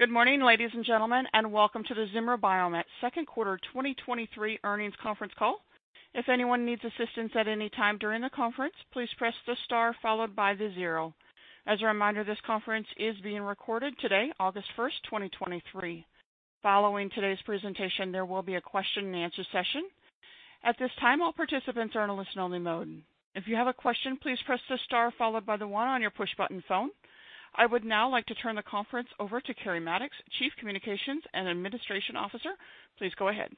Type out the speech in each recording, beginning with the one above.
Good morning, ladies and gentlemen, welcome to the Zimmer Biomet second quarter 2023 earnings conference call. If anyone needs assistance at any time during the conference, please press the star followed by the 0. As a reminder, this conference is being recorded today, August 1st, 2023. Following today's presentation, there will be a question-and-answer session. At this time, all participants are in a listen-only mode. If you have a question, please press the star followed by the 1 on your push-button phone. I would now like to turn the conference over to Keri Mattox, Chief Communications and Administration Officer. Please go ahead.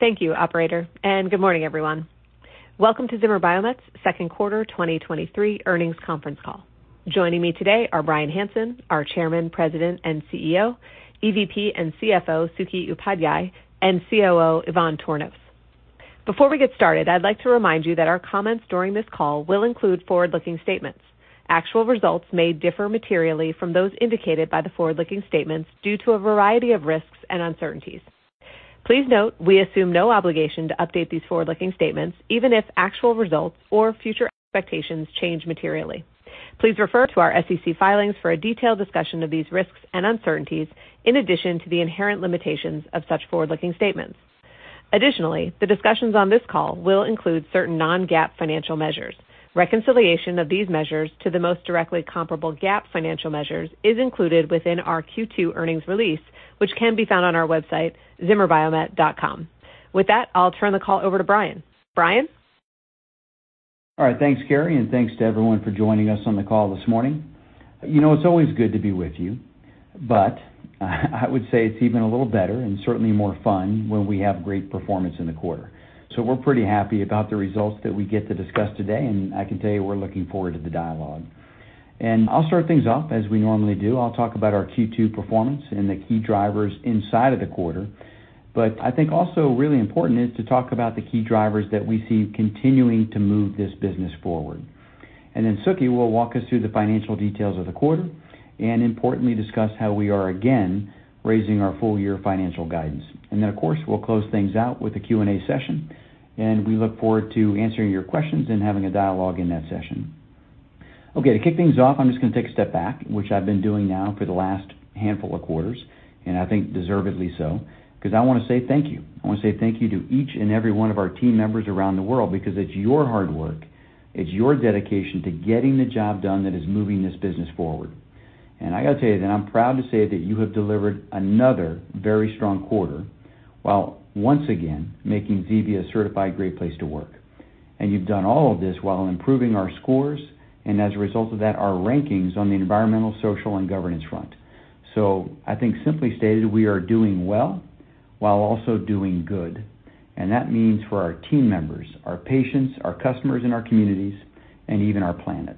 Thank you, operator, and good morning, everyone. Welcome to Zimmer Biomet's second quarter 2023 earnings conference call. Joining me today are Bryan Hanson, our Chairman, President, and CEO, EVP and CFO, Suketu Upadhyay, and COO, Ivan Tornos. Before we get started, I'd like to remind you that our comments during this call will include forward-looking statements. Actual results may differ materially from those indicated by the forward-looking statements due to a variety of risks and uncertainties. Please note, we assume no obligation to update these forward-looking statements, even if actual results or future expectations change materially. Please refer to our SEC filings for a detailed discussion of these risks and uncertainties, in addition to the inherent limitations of such forward-looking statements. Additionally, the discussions on this call will include certain non-GAAP financial measures. Reconciliation of these measures to the most directly comparable GAAP financial measures is included within our Q2 earnings release, which can be found on our website, zimmerbiomet.com. With that, I'll turn the call over to Bryan. Bryan? All right, thanks, Keri, thanks to everyone for joining us on the call this morning. You know, it's always good to be with you, but I would say it's even a little better and certainly more fun when we have great performance in the quarter. We're pretty happy about the results that we get to discuss today, and I can tell you we're looking forward to the dialogue. I'll start things off as we normally do. I'll talk about our Q2 performance and the key drivers inside of the quarter. I think also really important is to talk about the key drivers that we see continuing to move this business forward. Then Sukhi will walk us through the financial details of the quarter and importantly, discuss how we are again, raising our full year financial guidance. Then, of course, we'll close things out with a Q&A session, and we look forward to answering your questions and having a dialogue in that session. Okay, to kick things off, I'm just going to take a step back, which I've been doing now for the last handful of quarters, and I think deservedly so, because I want to say thank you. I want to say thank you to each and every one of our team members around the world, because it's your hard work, it's your dedication to getting the job done that is moving this business forward. I got to tell you that I'm proud to say that you have delivered another very strong quarter, while once again making ZB a certified great place to work. You've done all of this while improving our scores, and as a result of that, our rankings on the environmental, social, and governance front. I think simply stated, we are doing well while also doing good, and that means for our team members, our patients, our customers, and our communities, and even our planet.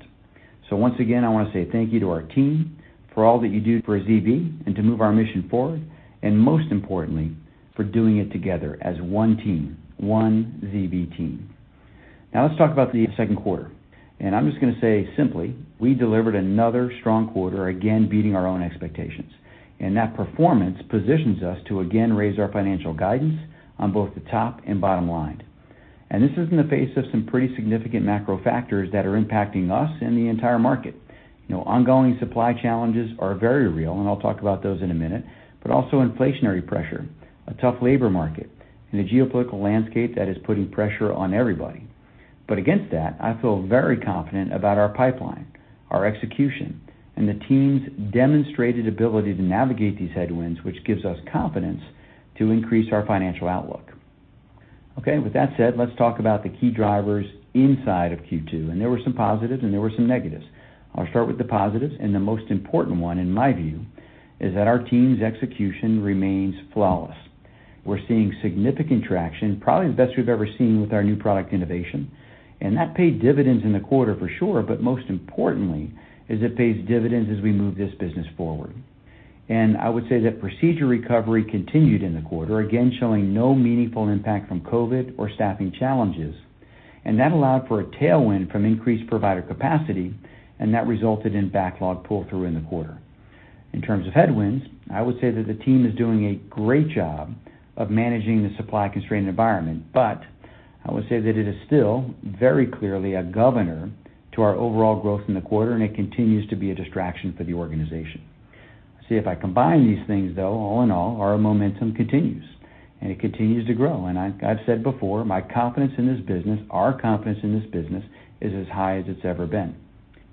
Once again, I want to say thank you to our team for all that you do for ZB and to move our mission forward, and most importantly, for doing it together as one team, one ZB team. Let's talk about the second quarter, and I'm just going to say simply, we delivered another strong quarter, again, beating our own expectations, and that performance positions us to again raise our financial guidance on both the top and bottom line. This is in the face of some pretty significant macro factors that are impacting us and the entire market. Ongoing supply challenges are very real, and I'll talk about those in a minute, but also inflationary pressure, a tough labor market, and a geopolitical landscape that is putting pressure on everybody. Against that, I feel very confident about our pipeline, our execution, and the team's demonstrated ability to navigate these headwinds, which gives us confidence to increase our financial outlook. Okay, with that said, let's talk about the key drivers inside of Q2, and there were some positives and there were some negatives. I'll start with the positives, and the most important one, in my view, is that our team's execution remains flawless. We're seeing significant traction, probably the best we've ever seen with our new product innovation. That paid dividends in the quarter for sure, but most importantly, is it pays dividends as we move this business forward. I would say that procedure recovery continued in the quarter, again, showing no meaningful impact from COVID or staffing challenges. That allowed for a tailwind from increased provider capacity. That resulted in backlog pull-through in the quarter. In terms of headwinds, I would say that the team is doing a great job of managing the supply constraint environment, but I would say that it is still very clearly a governor to our overall growth in the quarter. It continues to be a distraction for the organization. See, if I combine these things, though, all in all, our momentum continues. It continues to grow. I've said before, my confidence in this business, our confidence in this business, is as high as it's ever been,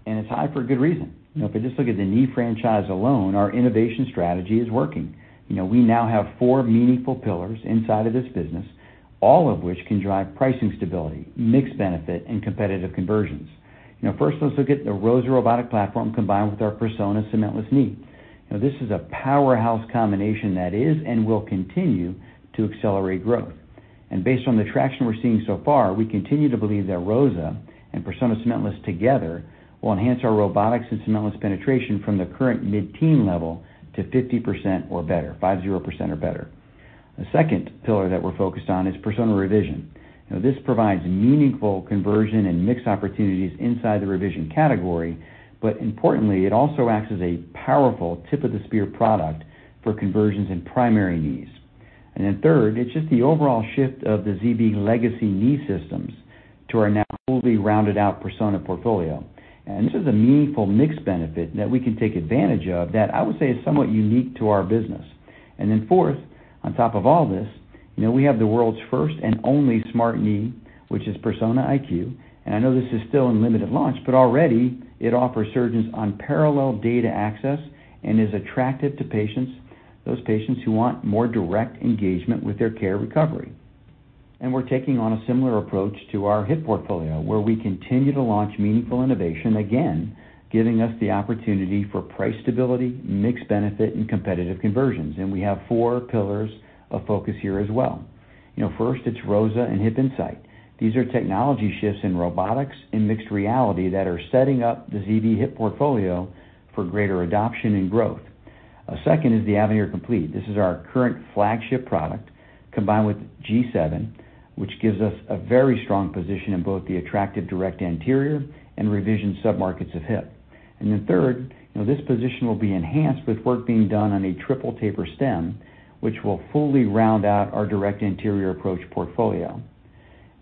and it's high for a good reason. You know, if you just look at the knee franchise alone, our innovation strategy is working. You know, we now have four meaningful pillars inside of this business, all of which can drive pricing stability, mix benefit, and competitive conversions. You know, first, let's look at the ROSA robotic platform combined with our Persona Cementless Knee. This is a powerhouse combination that is and will continue to accelerate growth. Based on the traction we're seeing so far, we continue to believe that ROSA and Persona Cementless together will enhance our robotics and cementless penetration from the current mid-teen level to 50% or better, 50% or better. The second pillar that we're focused on is Persona Revision. This provides meaningful conversion and mix opportunities inside the revision category, but importantly, it also acts as a powerful tip-of-the-spear product for conversions and primary needs. Third, it's just the overall shift of the ZB legacy knee systems to our now fully rounded out Persona Portfolio. This is a meaningful mix benefit that we can take advantage of, that I would say is somewhat unique to our business. Fourth, on top of all this, you know, we have the world's first and only smart knee, which is Persona IQ. I know this is still in limited launch, but already it offers surgeons unparalleled data access and is attractive to patients, those patients who want more direct engagement with their care recovery. We're taking on a similar approach to our hip portfolio, where we continue to launch meaningful innovation, again, giving us the opportunity for price stability, mixed benefit, and competitive conversions. We have four pillars of focus here as well. You know, first, it's ROSA and HipInsight. These are technology shifts in robotics and mixed reality that are setting up the ZB hip portfolio for greater adoption and growth. Second is the Avenir Complete. This is our current flagship product, combined with G7, which gives us a very strong position in both the attractive direct anterior and revision submarkets of hip. Then third, you know, this position will be enhanced with work being done on a triple taper stem, which will fully round out our direct anterior approach portfolio.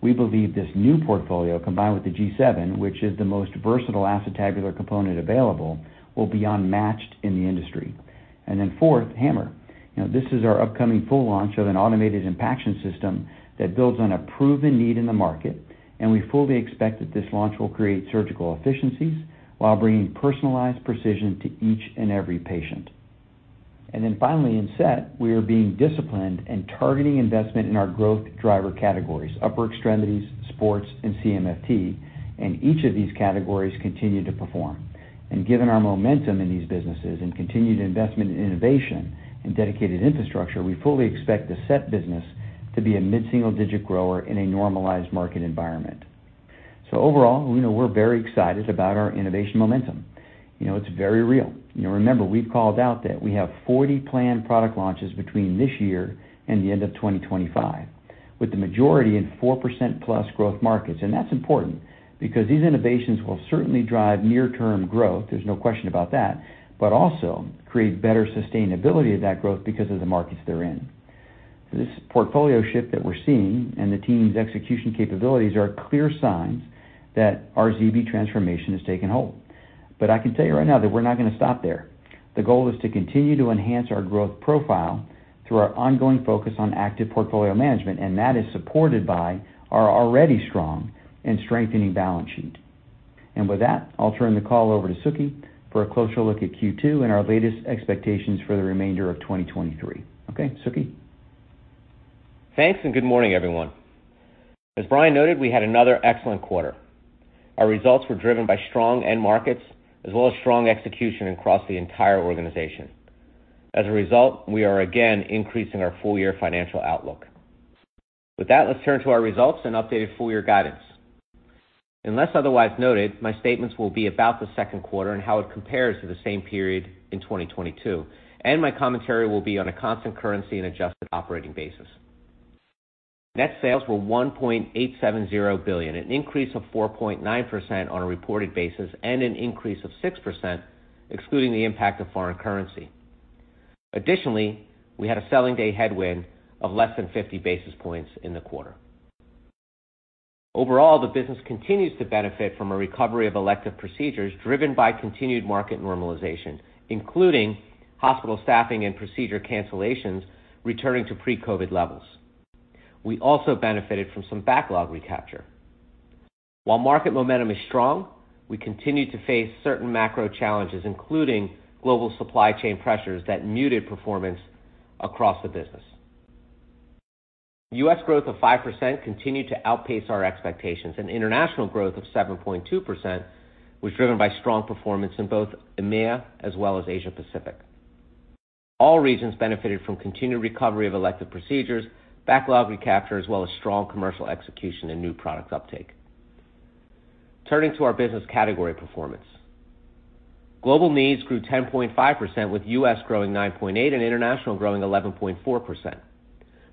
We believe this new portfolio, combined with the G7, which is the most versatile acetabular component available, will be unmatched in the industry. Then fourth, HAMMR. You know, this is our upcoming full launch of an automated impaction system that builds on a proven need in the market, and we fully expect that this launch will create surgical efficiencies while bringing personalized precision to each and every patient. Then finally, in S.E.T., we are being disciplined and targeting investment in our growth driver categories, upper extremities, sports, and CMFT, and each of these categories continue to perform. Given our momentum in these businesses and continued investment in innovation and dedicated infrastructure, we fully expect the S.E.T. business to be a mid-single digit grower in a normalized market environment. Overall, we know we're very excited about our innovation momentum. You know, it's very real. You know, remember, we've called out that we have 40 planned product launches between this year and the end of 2025, with the majority in 4% plus growth markets. That's important because these innovations will certainly drive near-term growth, there's no question about that, but also create better sustainability of that growth because of the markets they're in. This portfolio shift that we're seeing and the team's execution capabilities are clear signs that our ZB transformation has taken hold. I can tell you right now that we're not going to stop there. The goal is to continue to enhance our growth profile through our ongoing focus on active portfolio management, that is supported by our already strong and strengthening balance sheet. With that, I'll turn the call over to Sukhi for a closer look at Q2 and our latest expectations for the remainder of 2023. Okay, Sukhi? Thanks. Good morning, everyone. As Bryan noted, we had another excellent quarter. Our results were driven by strong end markets as well as strong execution across the entire organization. As a result, we are again increasing our full year financial outlook. With that, let's turn to our results and updated full year guidance. Unless otherwise noted, my statements will be about the second quarter and how it compares to the same period in 2022. My commentary will be on a constant currency and adjusted operating basis. Net sales were $1.870 billion, an increase of 4.9% on a reported basis. An increase of 6% excluding the impact of foreign currency. Additionally, we had a selling day headwind of less than 50 basis points in the quarter. Overall, the business continues to benefit from a recovery of elective procedures driven by continued market normalization, including hospital staffing and procedure cancellations returning to pre-COVID levels. We also benefited from some backlog recapture. While market momentum is strong, we continue to face certain macro challenges, including global supply chain pressures that muted performance across the business. US growth of 5% continued to outpace our expectations. International growth of 7.2% was driven by strong performance in both EMEA as well as Asia Pacific. All regions benefited from continued recovery of elective procedures, backlog recapture, as well as strong commercial execution and new product uptake. Turning to our business category performance. Global needs grew 10.5%, with US growing 9.8% and international growing 11.4%.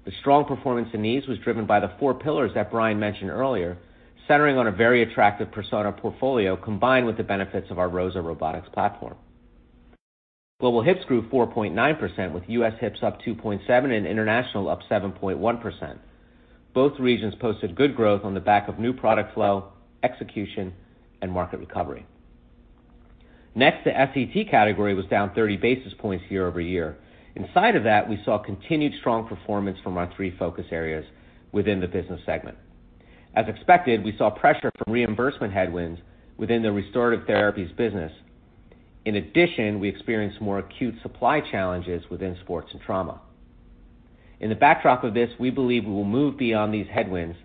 The strong performance in needs was driven by the four pillars that Bryan mentioned earlier, centering on a very attractive Persona Portfolio combined with the benefits of our ROSA robotics platform. Global hips grew 4.9%, with US hips up 2.7% and international up 7.1%. Both regions posted good growth on the back of new product flow, execution, and market recovery. The S.E.T. category was down 30 basis points year-over-year. Inside of that, we saw continued strong performance from our three focus areas within the business segment. As expected, we saw pressure from reimbursement headwinds within the restorative therapies business. We experienced more acute supply challenges within sports and trauma. In the backdrop of this, we believe we will move beyond these headwinds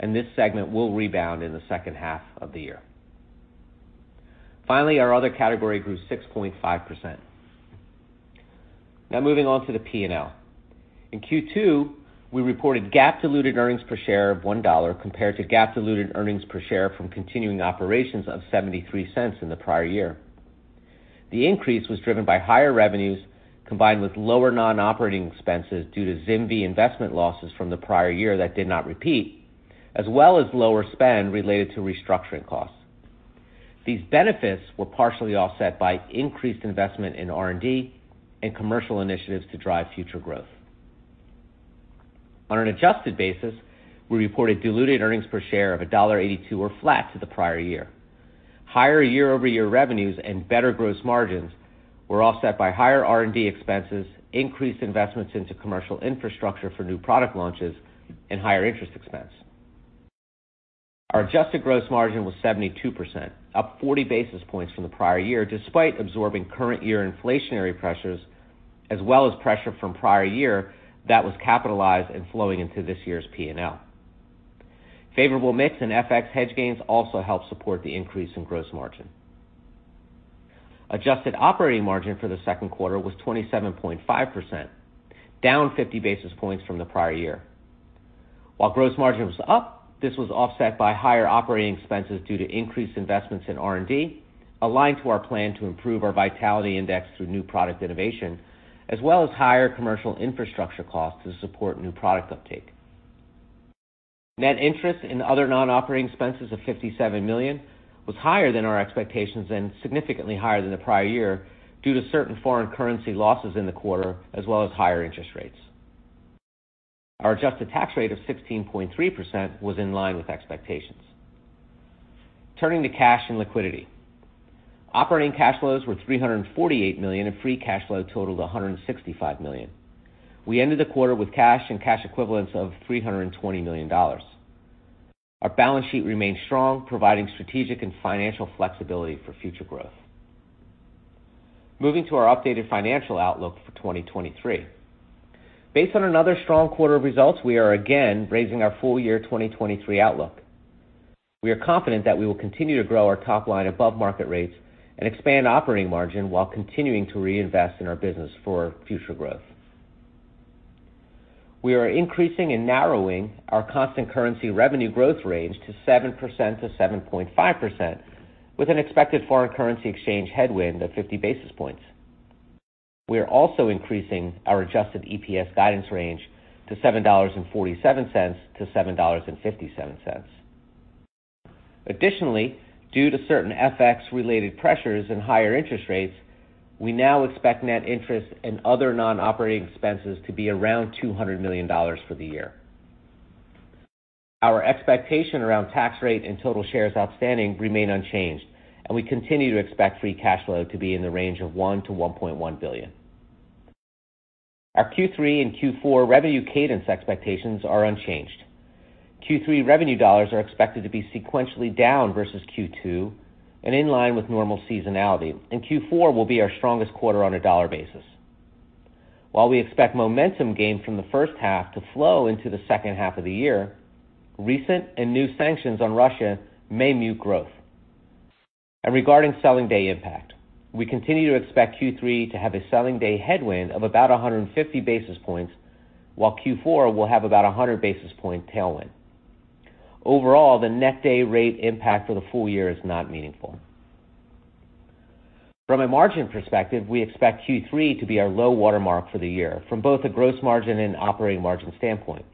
and this segment will rebound in the second half of the year. Finally, our other category grew 6.5%. Now, moving on to the P&L. In Q2, we reported GAAP diluted earnings per share of $1, compared to GAAP diluted earnings per share from continuing operations of $0.73 in the prior year. The increase was driven by higher revenues, combined with lower non-operating expenses due to ZimVie investment losses from the prior year that did not repeat, as well as lower spend related to restructuring costs.... These benefits were partially offset by increased investment in R&D and commercial initiatives to drive future growth. On an adjusted basis, we reported diluted earnings per share of $1.82 were flat to the prior year. Higher year-over-year revenues and better gross margins were offset by higher R&D expenses, increased investments into commercial infrastructure for new product launches, and higher interest expense. Our adjusted gross margin was 72%, up 40 basis points from the prior year, despite absorbing current year inflationary pressures, as well as pressure from prior year that was capitalized and flowing into this year's P&L. Favorable mix and FX hedge gains also helped support the increase in gross margin. Adjusted operating margin for the second quarter was 27.5%, down 50 basis points from the prior year. While gross margin was up, this was offset by higher operating expenses due to increased investments in R&D, aligned to our plan to improve our vitality index through new product innovation, as well as higher commercial infrastructure costs to support new product uptake. Net interest in other non-operating expenses of $57 million was higher than our expectations and significantly higher than the prior year, due to certain foreign currency losses in the quarter, as well as higher interest rates. Our adjusted tax rate of 16.3% was in line with expectations. Turning to cash and liquidity. Operating cash flows were $348 million, and free cash flow totaled $165 million. We ended the quarter with cash and cash equivalents of $320 million. Our balance sheet remains strong, providing strategic and financial flexibility for future growth. Moving to our updated financial outlook for 2023. Based on another strong quarter of results, we are again raising our full year 2023 outlook. We are confident that we will continue to grow our top line above market rates and expand operating margin while continuing to reinvest in our business for future growth. We are increasing and narrowing our constant currency revenue growth range to 7%-7.5%, with an expected foreign currency exchange headwind of 50 basis points. We are also increasing our adjusted EPS guidance range to $7.47-$7.57. Additionally, due to certain FX-related pressures and higher interest rates, we now expect net interest and other non-operating expenses to be around $200 million for the year. Our expectation around tax rate and total shares outstanding remain unchanged, and we continue to expect free cash flow to be in the range of $1 billion-$1.1 billion. Our Q3 and Q4 revenue cadence expectations are unchanged. Q3 revenue dollars are expected to be sequentially down versus Q2 and in line with normal seasonality, and Q4 will be our strongest quarter on a dollar basis. While we expect momentum gained from the first half to flow into the second half of the year, recent and new sanctions on Russia may mute growth. Regarding selling day impact, we continue to expect Q3 to have a selling day headwind of about 150 basis points, while Q4 will have about 100 basis point tailwind. Overall, the net day rate impact for the full year is not meaningful. From a margin perspective, we expect Q3 to be our low watermark for the year, from both a gross margin and operating margin standpoint.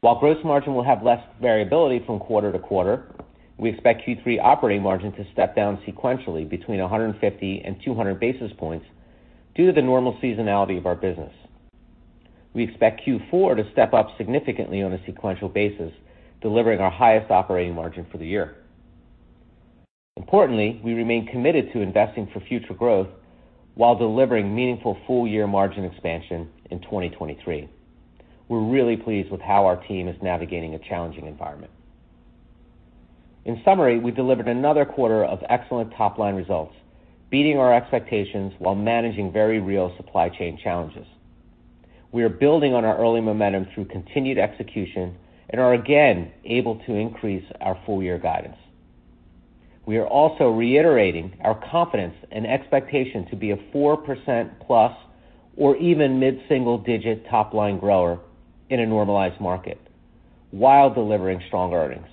While gross margin will have less variability from quarter to quarter, we expect Q3 operating margin to step down sequentially between 150 and 200 basis points due to the normal seasonality of our business. We expect Q4 to step up significantly on a sequential basis, delivering our highest operating margin for the year. Importantly, we remain committed to investing for future growth while delivering meaningful full-year margin expansion in 2023. We're really pleased with how our team is navigating a challenging environment. In summary, we delivered another quarter of excellent top-line results, beating our expectations while managing very real supply chain challenges. We are building on our early momentum through continued execution and are again able to increase our full-year guidance. We are also reiterating our confidence and expectation to be a 4%+ or even mid-single digit top-line grower in a normalized market while delivering strong earnings.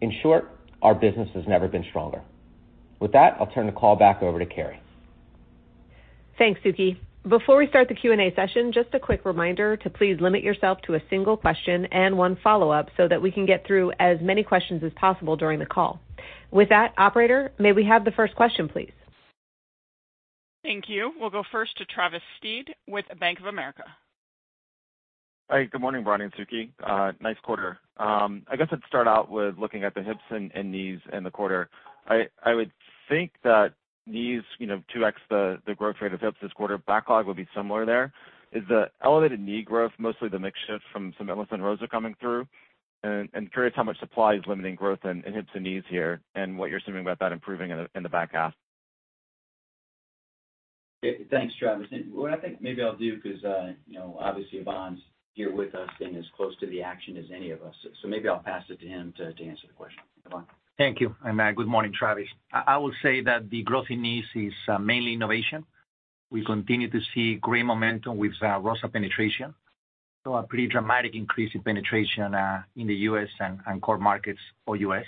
In short, our business has never been stronger. With that, I'll turn the call back over to Keri. Thanks, Sukhi. Before we start the Q&A session, just a quick reminder to please limit yourself to a single question and one follow-up, so that we can get through as many questions as possible during the call. With that, operator, may we have the first question, please? Thank you. We'll go first to Travis Steed with Bank of America. Hi, good morning, Bryan and Sukhi. Nice quarter. I guess I'd start out with looking at the hips and knees in the quarter. I would think that knees, you know, 2x the growth rate of hips this quarter, backlog would be similar there. Is the elevated knee growth mostly the mix shift from some and ROSA coming through? Curious how much supply is limiting growth in hips and knees here, and what you're assuming about that improving in the back half. Thanks, Travis. What I think maybe I'll do, because, you know, obviously, Ivan's here with us, being as close to the action as any of us. Maybe I'll pass it to him to, to answer the question. Ivan? Thank you, good morning, Travis. I, I will say that the growth in knees is mainly innovation. We continue to see great momentum with ROSA penetration, so a pretty dramatic increase in penetration in the U.S. and, and core markets for U.S.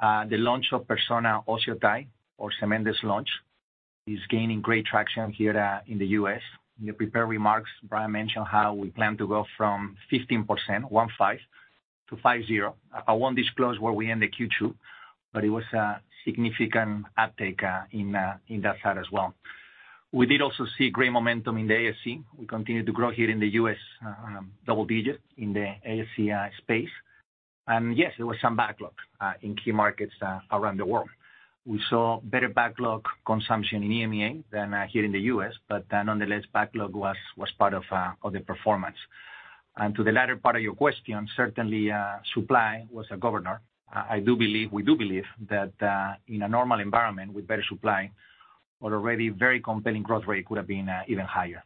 The launch of Persona OsseoTi, or cementless launch.... is gaining great traction here in the U.S. In the prepared remarks, Bryan mentioned how we plan to go from 15%, 15, to 50. I won't disclose where we end the Q2, but it was a significant uptake in that side as well. We did also see great momentum in the ASC. We continued to grow here in the U.S., double digits in the ASC space. Yes, there was some backlog in key markets around the world. We saw better backlog consumption in EMEA than here in the US, nonetheless, backlog was, was part of the performance. To the latter part of your question, certainly, supply was a governor. We do believe that in a normal environment with better supply, our already very compelling growth rate would have been even higher.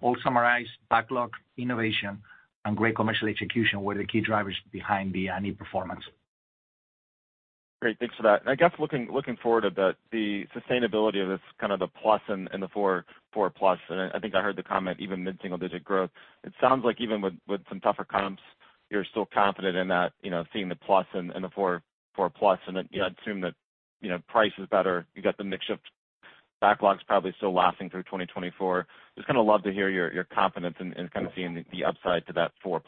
All summarized, backlog, innovation, and great commercial execution were the key drivers behind the, any performance. Great. Thanks for that. I guess looking, looking forward about the sustainability of this, kind of the plus and, and the 4, 4+, and I think I heard the comment, even mid-single-digit growth. It sounds like even with, with some tougher comps, you're still confident in that, you know, seeing the plus and, and the 4, 4+, and then I'd assume that, you know, price is better. You got the mix shift, backlogs probably still lasting through 2024. Just kind of love to hear your, your confidence and, and kind of seeing the upside to that 4+?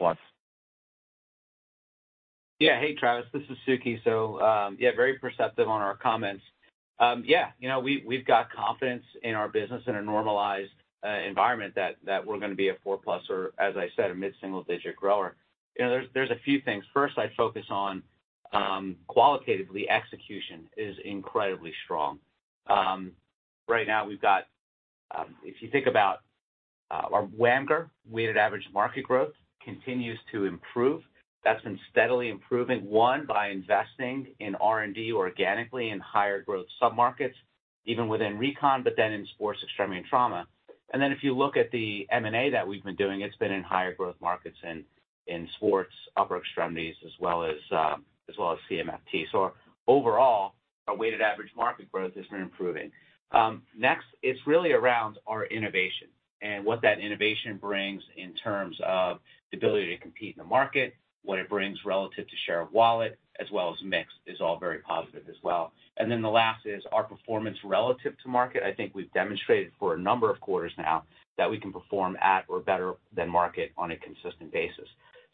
Yeah. Hey, Travis, this is Sukhi. Yeah, very perceptive on our comments. Yeah, you know, we, we've got confidence in our business in a normalized environment that, that we're going to be a 4+ or, as I said, a mid-single digit grower. You know, there's, there's a few things. First, I'd focus on, qualitatively, execution is incredibly strong. Right now we've got, if you think about our WAMGR, Weighted Average Market Growth, continues to improve. That's been steadily improving, one, by investing in R&D organically in higher growth submarkets, even within recon, but then in sports, extremity and trauma. Then if you look at the M&A that we've been doing, it's been in higher growth markets in, in sports, upper extremities, as well as, as well as CMFT. Overall, our weighted average market growth has been improving. Next, it's really around our innovation and what that innovation brings in terms of the ability to compete in the market. What it brings relative to share of wallet as well as mix, is all very positive as well. The last is our performance relative to market. I think we've demonstrated for a number of quarters now that we can perform at or better than market on a consistent basis.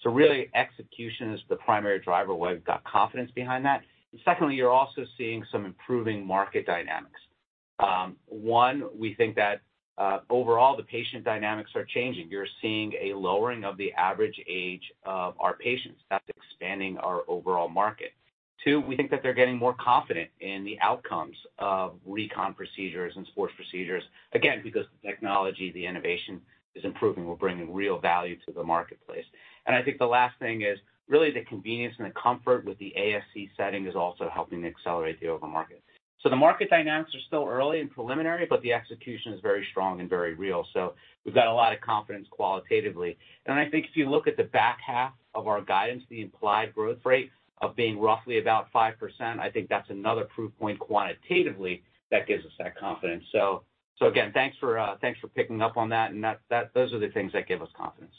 Really, execution is the primary driver, why we've got confidence behind that. Secondly, you're also seeing some improving market dynamics. 1, we think that overall, the patient dynamics are changing. You're seeing a lowering of the average age of our patients. That's expanding our overall market. 2, we think that they're getting more confident in the outcomes of recon procedures and sports procedures, again, because the technology, the innovation is improving. We're bringing real value to the marketplace. I think the last thing is really the convenience and the comfort with the ASC setting is also helping to accelerate the overall market. The market dynamics are still early and preliminary, but the execution is very strong and very real. We've got a lot of confidence qualitatively. I think if you look at the back half of our guidance, the implied growth rate of being roughly about 5%, I think that's another proof point quantitatively that gives us that confidence. Again, thanks for thanks for picking up on that, and those are the things that give us confidence.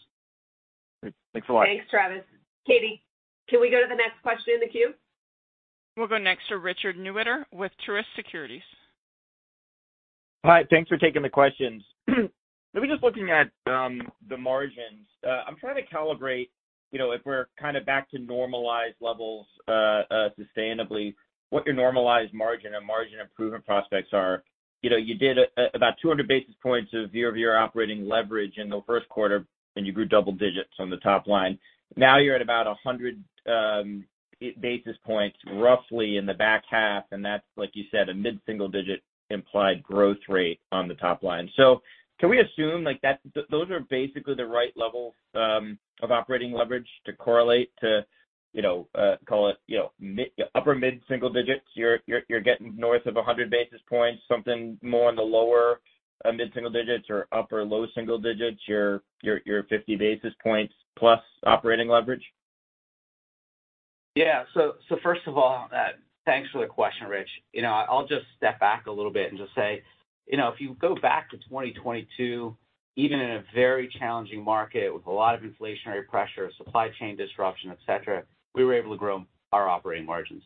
Great. Thanks a lot. Thanks, Travis. Katie, can we go to the next question in the queue? We'll go next to Richard Newitter with Truist Securities. Hi, thanks for taking the questions. We're just looking at the margins. I'm trying to calibrate, you know, if we're kind of back to normalized levels sustainably, what your normalized margin and margin improvement prospects are. You know, you did about 200 basis points of year-over-year operating leverage in the first quarter, and you grew double digits on the top line. Now you're at about 100 basis points, roughly in the back half, and that's, like you said, a mid-single digit implied growth rate on the top line. Can we assume, like, that those are basically the right level of operating leverage to correlate to, you know, call it, you know, mid - upper mid-single digits? You're getting north of 100 basis points, something more in the lower mid-single digits or upper low single digits, your 50 basis points+ operating leverage? Yeah. First of all, thanks for the question, Rich. You know, I'll just step back a little bit and just say, you know, if you go back to 2022, even in a very challenging market with a lot of inflationary pressure, supply chain disruption, et cetera, we were able to grow our operating margins.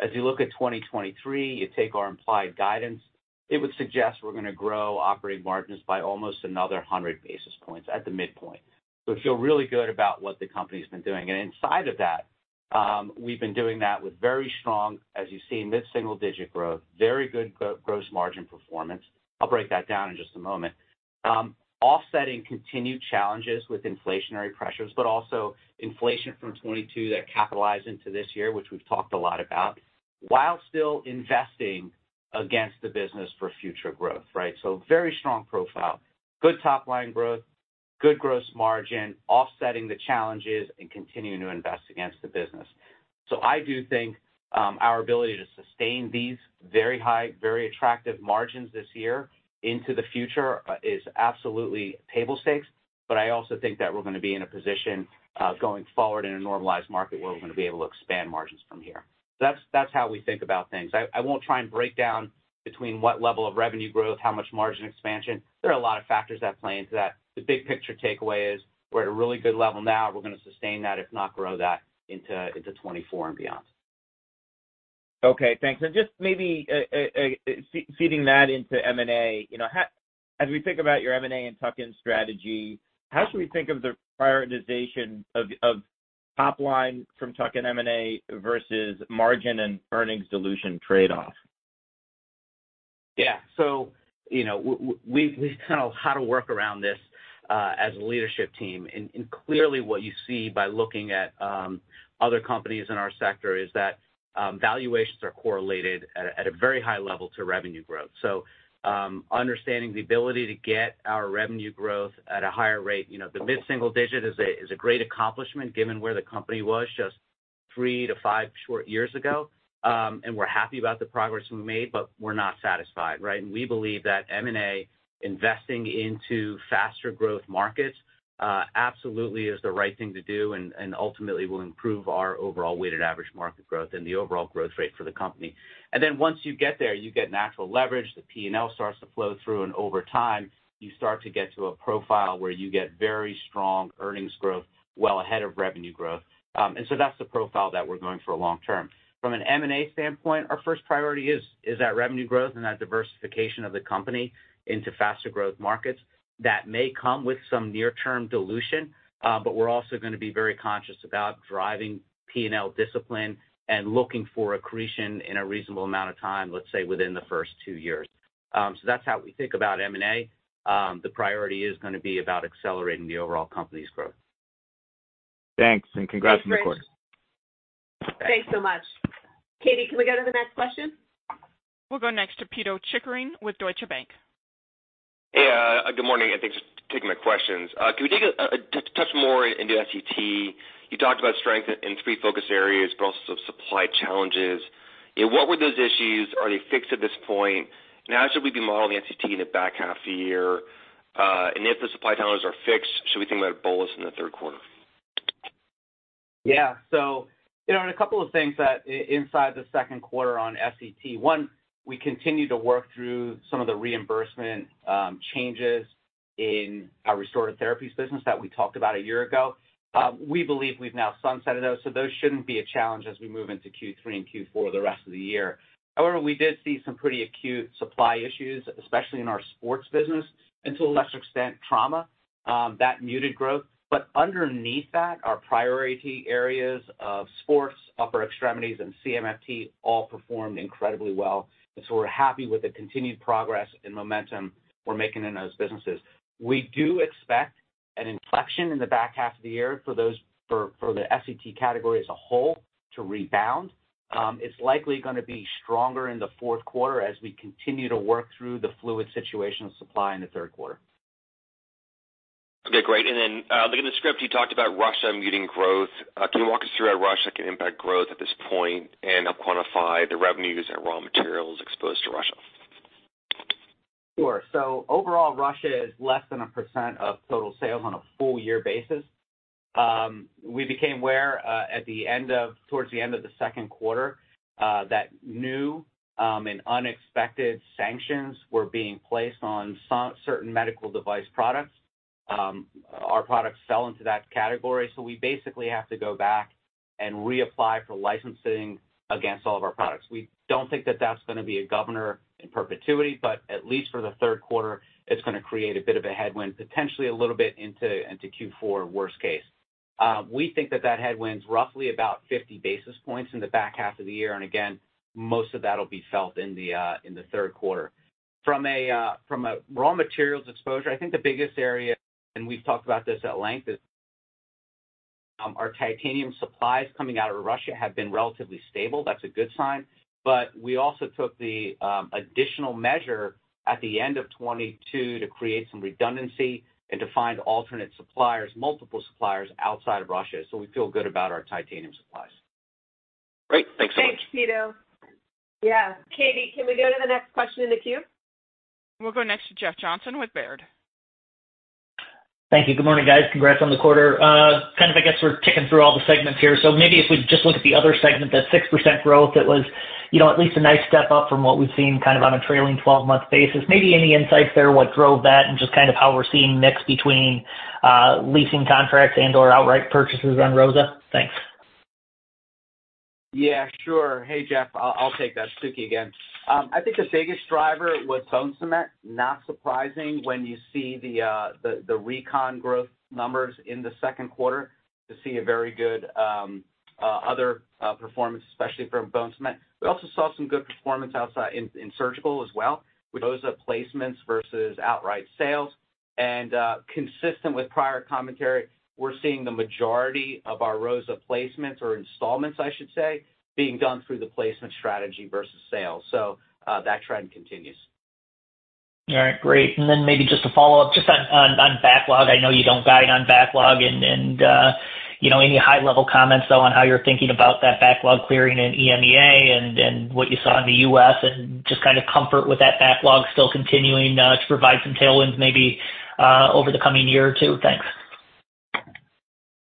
As you look at 2023, you take our implied guidance, it would suggest we're going to grow operating margins by almost another 100 basis points at the midpoint. We feel really good about what the company's been doing, and inside of that, we've been doing that with very strong, as you see, mid-single digit growth, very good gross margin performance. I'll break that down in just a moment. Offsetting continued challenges with inflationary pressures, but also inflation from 2022 that capitalized into this year, which we've talked a lot about, while still investing against the business for future growth, right? Very strong profile, good top line growth, good gross margin, offsetting the challenges and continuing to invest against the business. I do think, our ability to sustain these very high, very attractive margins this year into the future is absolutely table stakes, but I also think that we're going to be in a position, going forward in a normalized market where we're going to be able to expand margins from here. That's, that's how we think about things. I, I won't try and break down between what level of revenue growth, how much margin expansion. There are a lot of factors that play into that. The big picture takeaway is we're at a really good level now. We're going to sustain that, if not grow that, into, into 2024 and beyond. Okay, thanks. Just maybe feeding that into M&A, you know, how, as we think about your M&A and tuck-in strategy, how should we think of the prioritization of, of top line from tuck-in M&A versus margin and earnings dilution trade-off? Yeah. You know, we kind of how to work around this as a leadership team. Clearly, what you see by looking at other companies in our sector is that valuations are correlated at a very high level to revenue growth. Understanding the ability to get our revenue growth at a higher rate, you know, the mid-single digit is a great accomplishment, given where the company was just 3 to 5 short years ago. We're happy about the progress we made, but we're not satisfied, right? We believe that M&A, investing into faster growth markets, absolutely is the right thing to do and ultimately will improve our overall Weighted Average Market Growth and the overall growth rate for the company. Then once you get there, you get natural leverage. The P&L starts to flow through, and over time, you start to get to a profile where you get very strong earnings growth well ahead of revenue growth. That's the profile that we're going for long term. From an M&A standpoint, our first priority is, is that revenue growth and that diversification of the company into faster growth markets. That may come with some near-term dilution, we're also going to be very conscious about driving P&L discipline and looking for accretion in a reasonable amount of time, let's say, within the first two years. That's how we think about M&A. The priority is going to be about accelerating the overall company's growth. Thanks, and congrats on the quarter. Thanks so much. Katie, can we go to the next question? We'll go next to Pito Chickering with Deutsche Bank. Hey, good morning, and thanks for taking my questions. Can we take a touch more into SET? You talked about strength in three focus areas, but also some supply challenges. Yeah, what were those issues? Are they fixed at this point? How should we be modeling SET in the back half of the year? If the supply challenges are fixed, should we think about a bolus in the third quarter? Yeah, you know, a couple of things that inside the 2nd quarter on S.E.T. One, we continue to work through some of the reimbursement changes in our restorative therapies business that we talked about 1 year ago. We believe we've now sunsetted those, so those shouldn't be a challenge as we move into Q3 and Q4 the rest of the year. However, we did see some pretty acute supply issues, especially in our sports business and to a lesser extent, trauma. That muted growth. Underneath that, our priority areas of sports, upper extremities, and CMFT all performed incredibly well, and so we're happy with the continued progress and momentum we're making in those businesses. We do expect an inflection in the back half of the year for those... for, for the S.E.T. category as a whole to rebound. It's likely going to be stronger in the fourth quarter as we continue to work through the fluid situation of supply in the third quarter. Okay, great. Then, in the script, you talked about Russia muting growth. Can you walk us through how Russia can impact growth at this point and help quantify the revenues and raw materials exposed to Russia? Overall, Russia is less than 1% of total sales on a full year basis. We became aware, towards the end of the second quarter, that new and unexpected sanctions were being placed on certain medical device products. Our products fell into that category, so we basically have to go back and reapply for licensing against all of our products. We don't think that that's going to be a governor in perpetuity, but at least for the third quarter, it's going to create a bit of a headwind, potentially a little bit into, into Q4, worst case. We think that that headwind's roughly about 50 basis points in the back half of the year. Again, most of that'll be felt in the third quarter. From a raw materials exposure, I think the biggest area, and we've talked about this at length, is, our titanium supplies coming out of Russia have been relatively stable. That's a good sign. We also took the additional measure at the end of 2022 to create some redundancy and to find alternate suppliers, multiple suppliers outside of Russia. We feel good about our titanium supplies. Great. Thanks so much. Thanks, Peter. Yeah. Katie, can we go to the next question in the queue? We'll go next to Jeff Johnson with Baird. Thank you. Good morning, guys. Congrats on the quarter. Kind of, I guess we're ticking through all the segments here. Maybe if we just look at the other segment, that 6% growth, that was, you know, at least a nice step up from what we've seen, kind of on a trailing 12-month basis. Maybe any insights there, what drove that and just kind of how we're seeing mix between leasing contracts and/or outright purchases on ROSA? Thanks. Yeah, sure. Hey, Jeff, I'll, I'll take that. Sukhi again. I think the biggest driver was bone cement. Not surprising when you see the, the recon growth numbers in the second quarter to see a very good other performance, especially from bone cement. We also saw some good performance outside in, in surgical as well, with ROSA placements versus outright sales. Consistent with prior commentary, we're seeing the majority of our ROSA placements or installments, I should say, being done through the placement strategy versus sales. That trend continues. All right, great. Then maybe just a follow-up, just on backlog. I know you don't guide on backlog and, you know, any high-level comments, though, on how you're thinking about that backlog clearing in EMEA and what you saw in the US, and just kind of comfort with that backlog still continuing to provide some tailwinds maybe over the coming year or 2? Thanks.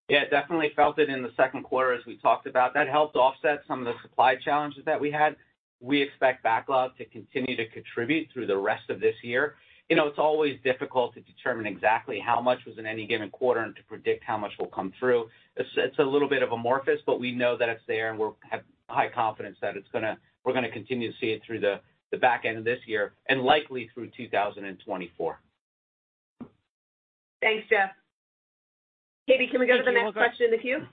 Yeah, definitely felt it in the second quarter, as we talked about. That helped offset some of the supply challenges that we had. We expect backlog to continue to contribute through the rest of this year. You know, it's always difficult to determine exactly how much was in any given quarter and to predict how much will come through. It's a little bit of amorphous, but we know that it's there, and we have high confidence that we're gonna continue to see it through the, the back end of this year and likely through 2024. Thanks, Jeff. Katie, can we go to the next question in the queue?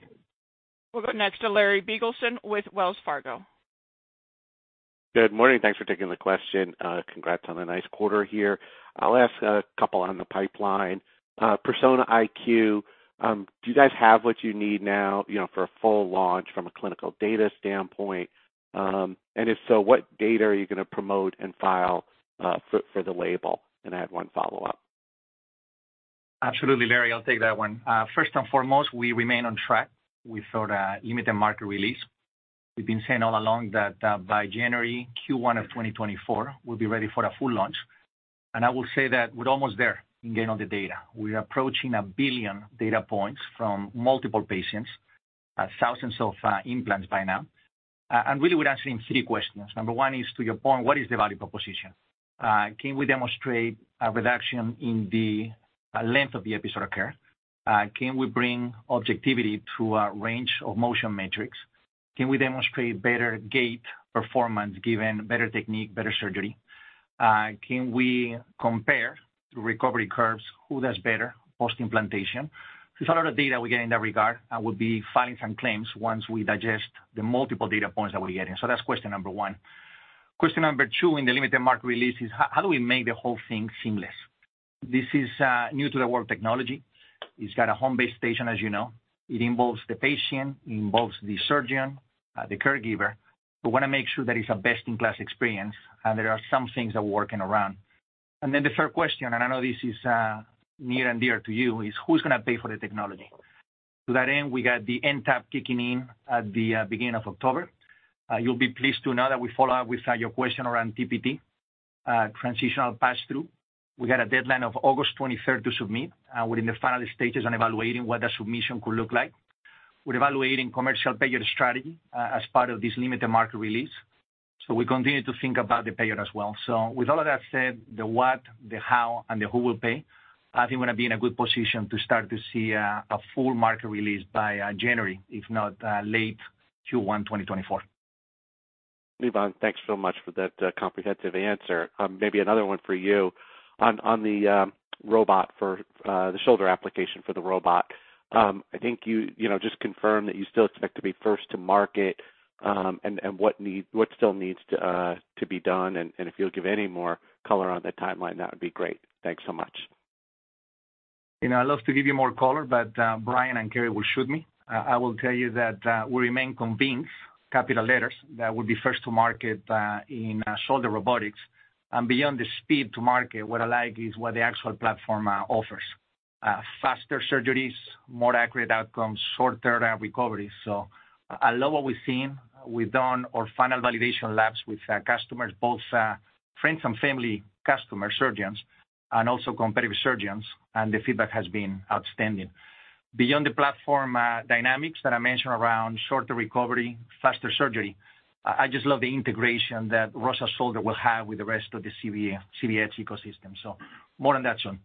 We'll go next to Larry Biegelsen with Wells Fargo. Good morning. Thanks for taking the question. Congrats on a nice quarter here. I'll ask a couple on the pipeline. Persona IQ, do you guys have what you need now, you know, for a full launch from a clinical data standpoint? If so, what data are you gonna promote and file, for, for the label? I have one follow-up. Absolutely, Larry, I'll take that one. First and foremost, we remain on track with our limited market release. We've been saying all along that, by January Q1 of 2024, we'll be ready for a full launch. I will say that we're almost there in getting all the data. We're approaching 1 billion data points from multiple patients, thousands of implants by now. Really, we're answering 3 questions. Number 1 is, to your point, what is the value proposition? Can we demonstrate a reduction in the length of the episode of care? Can we bring objectivity to our range of motion metrics? Can we demonstrate better gait performance, given better technique, better surgery? Can we compare the recovery curves, who does better post-implantation? There's a lot of data we get in that regard, and we'll be filing some claims once we digest the multiple data points that we're getting. That's question number 1. Question number 2 in the limited market release is: How do we make the whole thing seamless? This is new to the world technology. It's got a home-based station, as you know. It involves the patient, it involves the surgeon, the caregiver. We wanna make sure that it's a best-in-class experience, and there are some things that we're working around. Then the 3rd question, and I know this is near and dear to you, is: Who's gonna pay for the technology? To that end, we got the NTAP kicking in at the beginning of October. You'll be pleased to know that we follow up with your question around TPT, transitional passthrough. We got a deadline of August 23rd to submit, we're in the final stages on evaluating what that submission could look like. We're evaluating commercial payer strategy as part of this limited market release, we continue to think about the payer as well. With all of that said, the what, the how, and the who will pay, I think we're gonna be in a good position to start to see a full market release by January, if not late Q1, 2024. Ivan, thanks so much for that comprehensive answer. Maybe another one for you. On, on the robot for the shoulder application for the robot. I think you, you know, just confirm that you still expect to be first to market, and what still needs to be done, and if you'll give any more color on the timeline, that would be great. Thanks so much. You know, I'd love to give you more color, but Bryan and Keri will shoot me. I will tell you that we remain convinced, capital letters, that we'll be first to market in shoulder robotics. Beyond the speed to market, what I like is what the actual platform offers. Faster surgeries, more accurate outcomes, shorter recovery. I love what we've seen. We've done our final validation labs with customers, both friends and family customer surgeons and also competitive surgeons, and the feedback has been outstanding. Beyond the platform dynamics that I mentioned around shorter recovery, faster surgery, I, I just love the integration that ROSA Shoulder will have with the rest of the CDH ecosystem. More on that soon.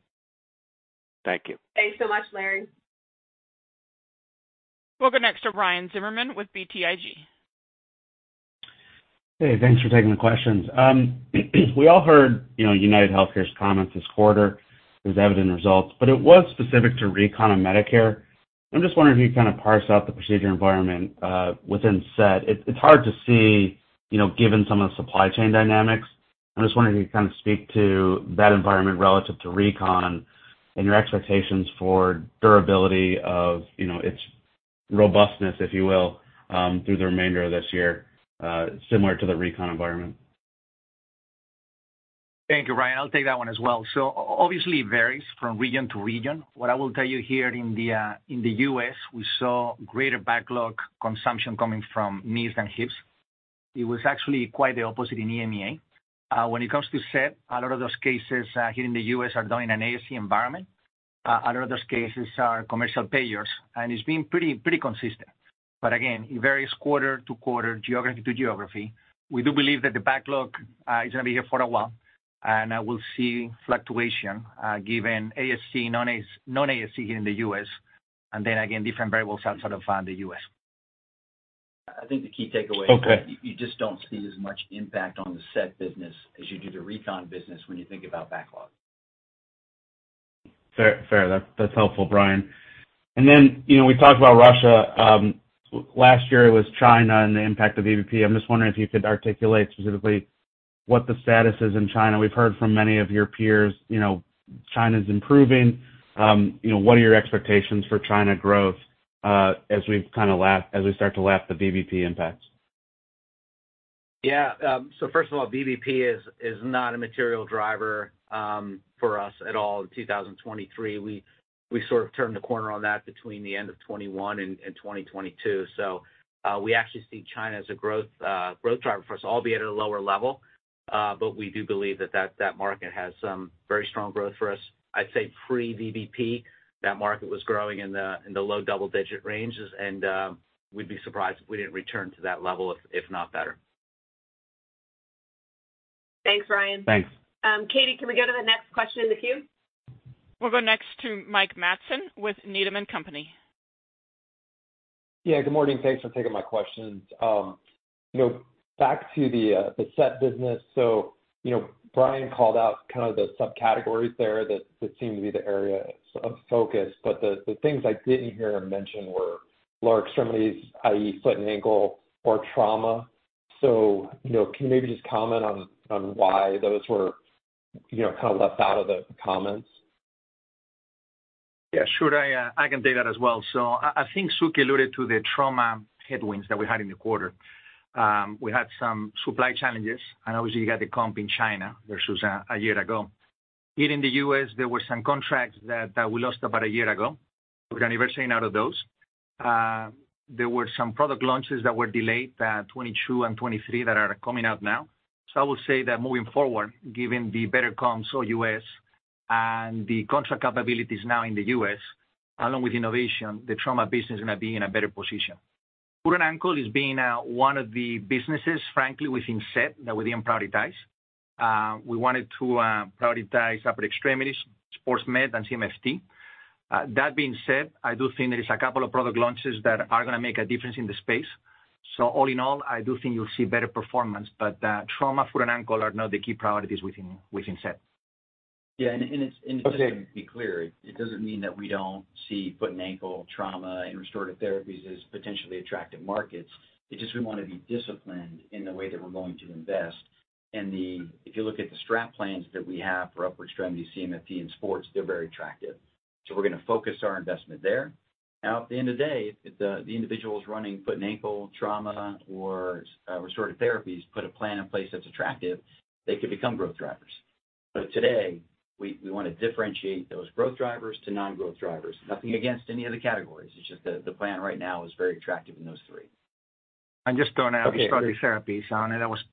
Thank you. Thanks so much, Larry. We'll go next to Ryan Zimmerman with BTIG. Hey, thanks for taking the questions. We all heard, you know, UnitedHealthcare's comments this quarter. It was evident results, but it was specific to recon of Medicare. I'm just wondering if you kind of parse out the procedure environment, within S.E.T. It's hard to see, you know, given some of the supply chain dynamics. I'm just wondering if you kind of speak to that environment relative to recon and your expectations for durability of, you know, its robustness, if you will, through the remainder of this year, similar to the recon environment. Thank you, Ryan. I'll take that one as well. Obviously, it varies from region to region. What I will tell you here in the US, we saw greater backlog consumption coming from knees and hips. It was actually quite the opposite in EMEA. When it comes to S.E.T., a lot of those cases here in the US are done in an ASC environment. A lot of those cases are commercial payers, and it's been pretty, pretty consistent. Again, it varies quarter to quarter, geography to geography. We do believe that the backlog is gonna be here for a while, and I will see fluctuation given ASC, non-ASC here in the US, and then again, different variables outside of the US. I think the key takeaway- Okay. you just don't see as much impact on the S.E.T. business as you do the recon business when you think about backlog. Fair, fair. That's, that's helpful, Bryan. Then, you know, we talked about Russia. Last year it was China and the impact of VBP. I'm just wondering if you could articulate specifically what the status is in China. We've heard from many of your peers, you know, China's improving. You know, what are your expectations for China growth, as we start to lap the VBP impacts? Yeah, first of all, VBP is not a material driver for us at all in 2023. We, we sort of turned the corner on that between the end of 2021 and 2022. We actually see China as a growth driver for us, albeit at a lower level. We do believe that, that, that market has some very strong growth for us. I'd say pre-VBP, that market was growing in the, in the low double-digit ranges, and we'd be surprised if we didn't return to that level, if, if not better. Thanks, Ryan. Thanks. Katie, can we go to the next question in the queue? We'll go next to Mike Matson with Needham & Company. Yeah, good morning. Thanks for taking my questions. you know, back to the S.E.T. business. you know, Bryan called out kind of the subcategories there that, that seem to be the area of focus, but the, the things I didn't hear mentioned were lower extremities, i.e., foot and ankle or trauma. you know, can you maybe just comment on, on why those were, you know, kind of left out of the comments? Yeah, sure. I, I can take that as well. I, I think Suki alluded to the trauma headwinds that we had in the quarter. We had some supply challenges, and obviously, you got the comp in China versus a year ago. Here in the U.S., there were some contracts that, that we lost about a year ago. We're anniversarying out of those. There were some product launches that were delayed, 2022 and 2023, that are coming out now. I will say that moving forward, given the better comps for U.S. and the contract capabilities now in the U.S., along with innovation, the trauma business is going to be in a better position. Foot and ankle is being one of the businesses, frankly, within S.E.T. that we didn't prioritize. We wanted to prioritize upper extremities, sports med, and CMFT. That being said, I do think there is a couple of product launches that are going to make a difference in the space. All in all, I do think you'll see better performance, but trauma, foot and ankle are not the key priorities within, within S.E.T.. Yeah, and. Okay. Just to be clear, it doesn't mean that we don't see foot and ankle trauma and restorative therapies as potentially attractive markets. It's just we want to be disciplined in the way that we're going to invest. If you look at the strap plans that we have for upper extremity, CMFT, and sports, they're very attractive. We're going to focus our investment there. At the end of the day, if the individuals running foot and ankle, trauma, or restorative therapies, put a plan in place that's attractive, they could become growth drivers. Today, we want to differentiate those growth drivers to non-growth drivers. Nothing against any of the categories, it's just that the plan right now is very attractive in those three. I'm just throwing out- Okay. Restorative therapies. I know that was,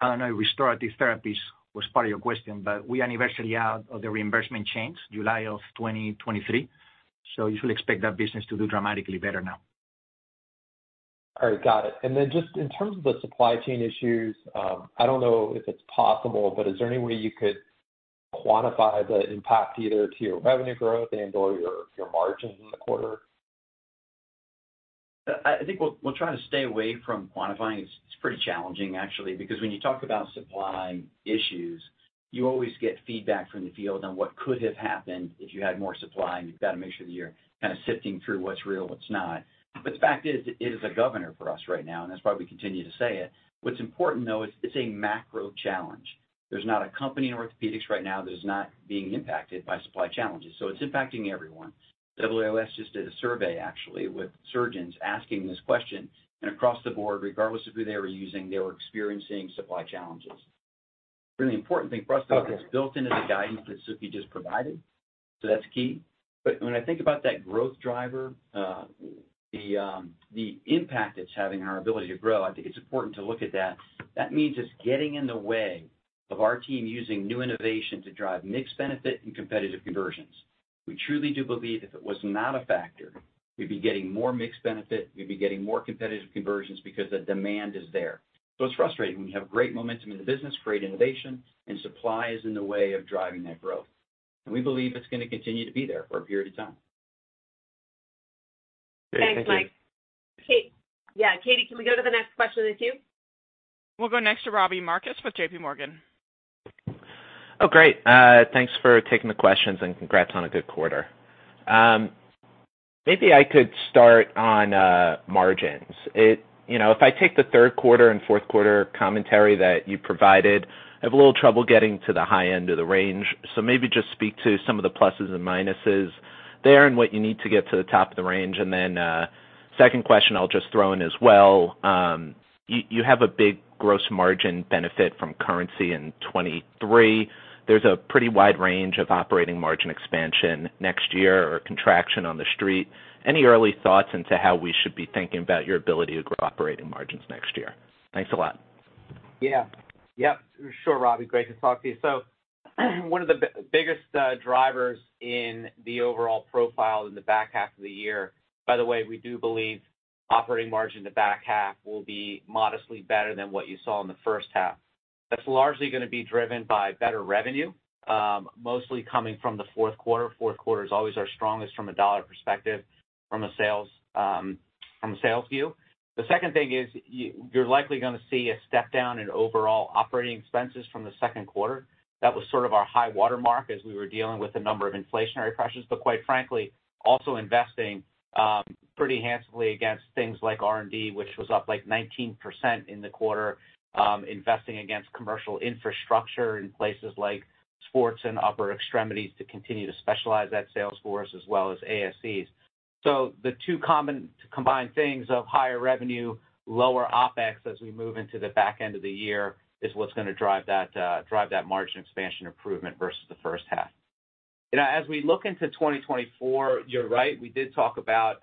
I don't know, restorative therapies was part of your question, but we anniversary out of the reimbursement change July of 2023, so you should expect that business to do dramatically better now. All right, got it. Then just in terms of the supply chain issues, I don't know if it's possible, but is there any way you could quantify the impact, either to your revenue growth and/or your, your margins in the quarter? I, I think we'll, we'll try to stay away from quantifying. It's, it's pretty challenging, actually, because when you talk about supply issues, you always get feedback from the field on what could have happened if you had more supply, and you've got to make sure that you're kind of sifting through what's real and what's not. The fact is, it is a governor for us right now, and that's why we continue to say it. What's important, though, is it's a macro challenge. There's not a company in orthopedics right now that is not being impacted by supply challenges, so it's impacting everyone. WIS just did a survey, actually, with surgeons asking this question, and across the board, regardless of who they were using, they were experiencing supply challenges. The important thing for us, though, it's built into the guidance that Suki just provided, so that's key. When I think about that growth driver, the impact it's having on our ability to grow, I think it's important to look at that. That means it's getting in the way of our team using new innovation to drive mixed benefit and competitive conversions. We truly do believe if it was not a factor, we'd be getting more mixed benefit, we'd be getting more competitive conversions because the demand is there. It's frustrating when you have great momentum in the business, great innovation, and supply is in the way of driving that growth. We believe it's going to continue to be there for a period of time. Great. Thank you. Thanks, Mike. Kate... Yeah, Katie, can we go to the next question in the queue? We'll go next to Robbie Marcus with J.P. Morgan. Oh, great. Thanks for taking the questions. Congrats on a good quarter. Maybe I could start on margins. It-- You know, if I take the third quarter and fourth quarter commentary that you provided, I have a little trouble getting to the high end of the range. Maybe just speak to some of the pluses and minuses there, and what you need to get to the top of the range. Then, second question I'll just throw in as well. You, you have a big gross margin benefit from currency in 2023. There's a pretty wide range of operating margin expansion next year or contraction on The Street. Any early thoughts into how we should be thinking about your ability to grow operating margins next year? Thanks a lot. Yeah. Yeah, sure, Robbie, great to talk to you. One of the biggest drivers in the overall profile in the back half of the year. By the way, we do believe operating margin in the back half will be modestly better than what you saw in the first half. That's largely going to be driven by better revenue, mostly coming from the fourth quarter. Fourth quarter is always our strongest from a dollar perspective, from a sales, from a sales view. The second thing is, you, you're likely going to see a step down in overall operating expenses from the second quarter. That was sort of our high watermark as we were dealing with a number of inflationary pressures, but quite frankly, also investing pretty handsomely against things like R&D, which was up, like, 19% in the quarter. Investing against commercial infrastructure in places like sports and upper extremities, to continue to specialize that sales force as well as ASCs. So the two common, combined things of higher revenue, lower OpEx, as we move into the back end of the year, is what's going to drive that, drive that margin expansion improvement versus the first half. You know, as we look into 2024, you're right, we did talk about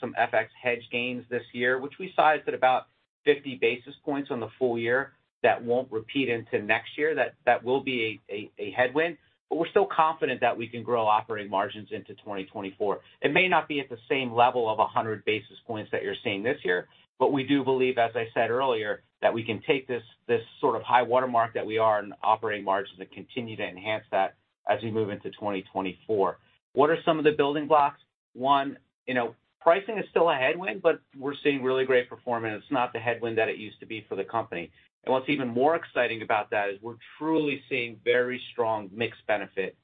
some FX hedge gains this year, which we sized at about 50 basis points on the full year. That won't repeat into next year. That, that will be a, a, a headwind, but we're still confident that we can grow operating margins into 2024. It may not be at the same level of 100 basis points that you're seeing this year, but we do believe, as I said earlier, that we can take this, this sort of high water mark that we are in operating margins and continue to enhance that as we move into 2024. What are some of the building blocks? 1, you know, pricing is still a headwind, but we're seeing really great performance. It's not the headwind that it used to be for the company. What's even more exciting about that is we're truly seeing very strong mixed benefit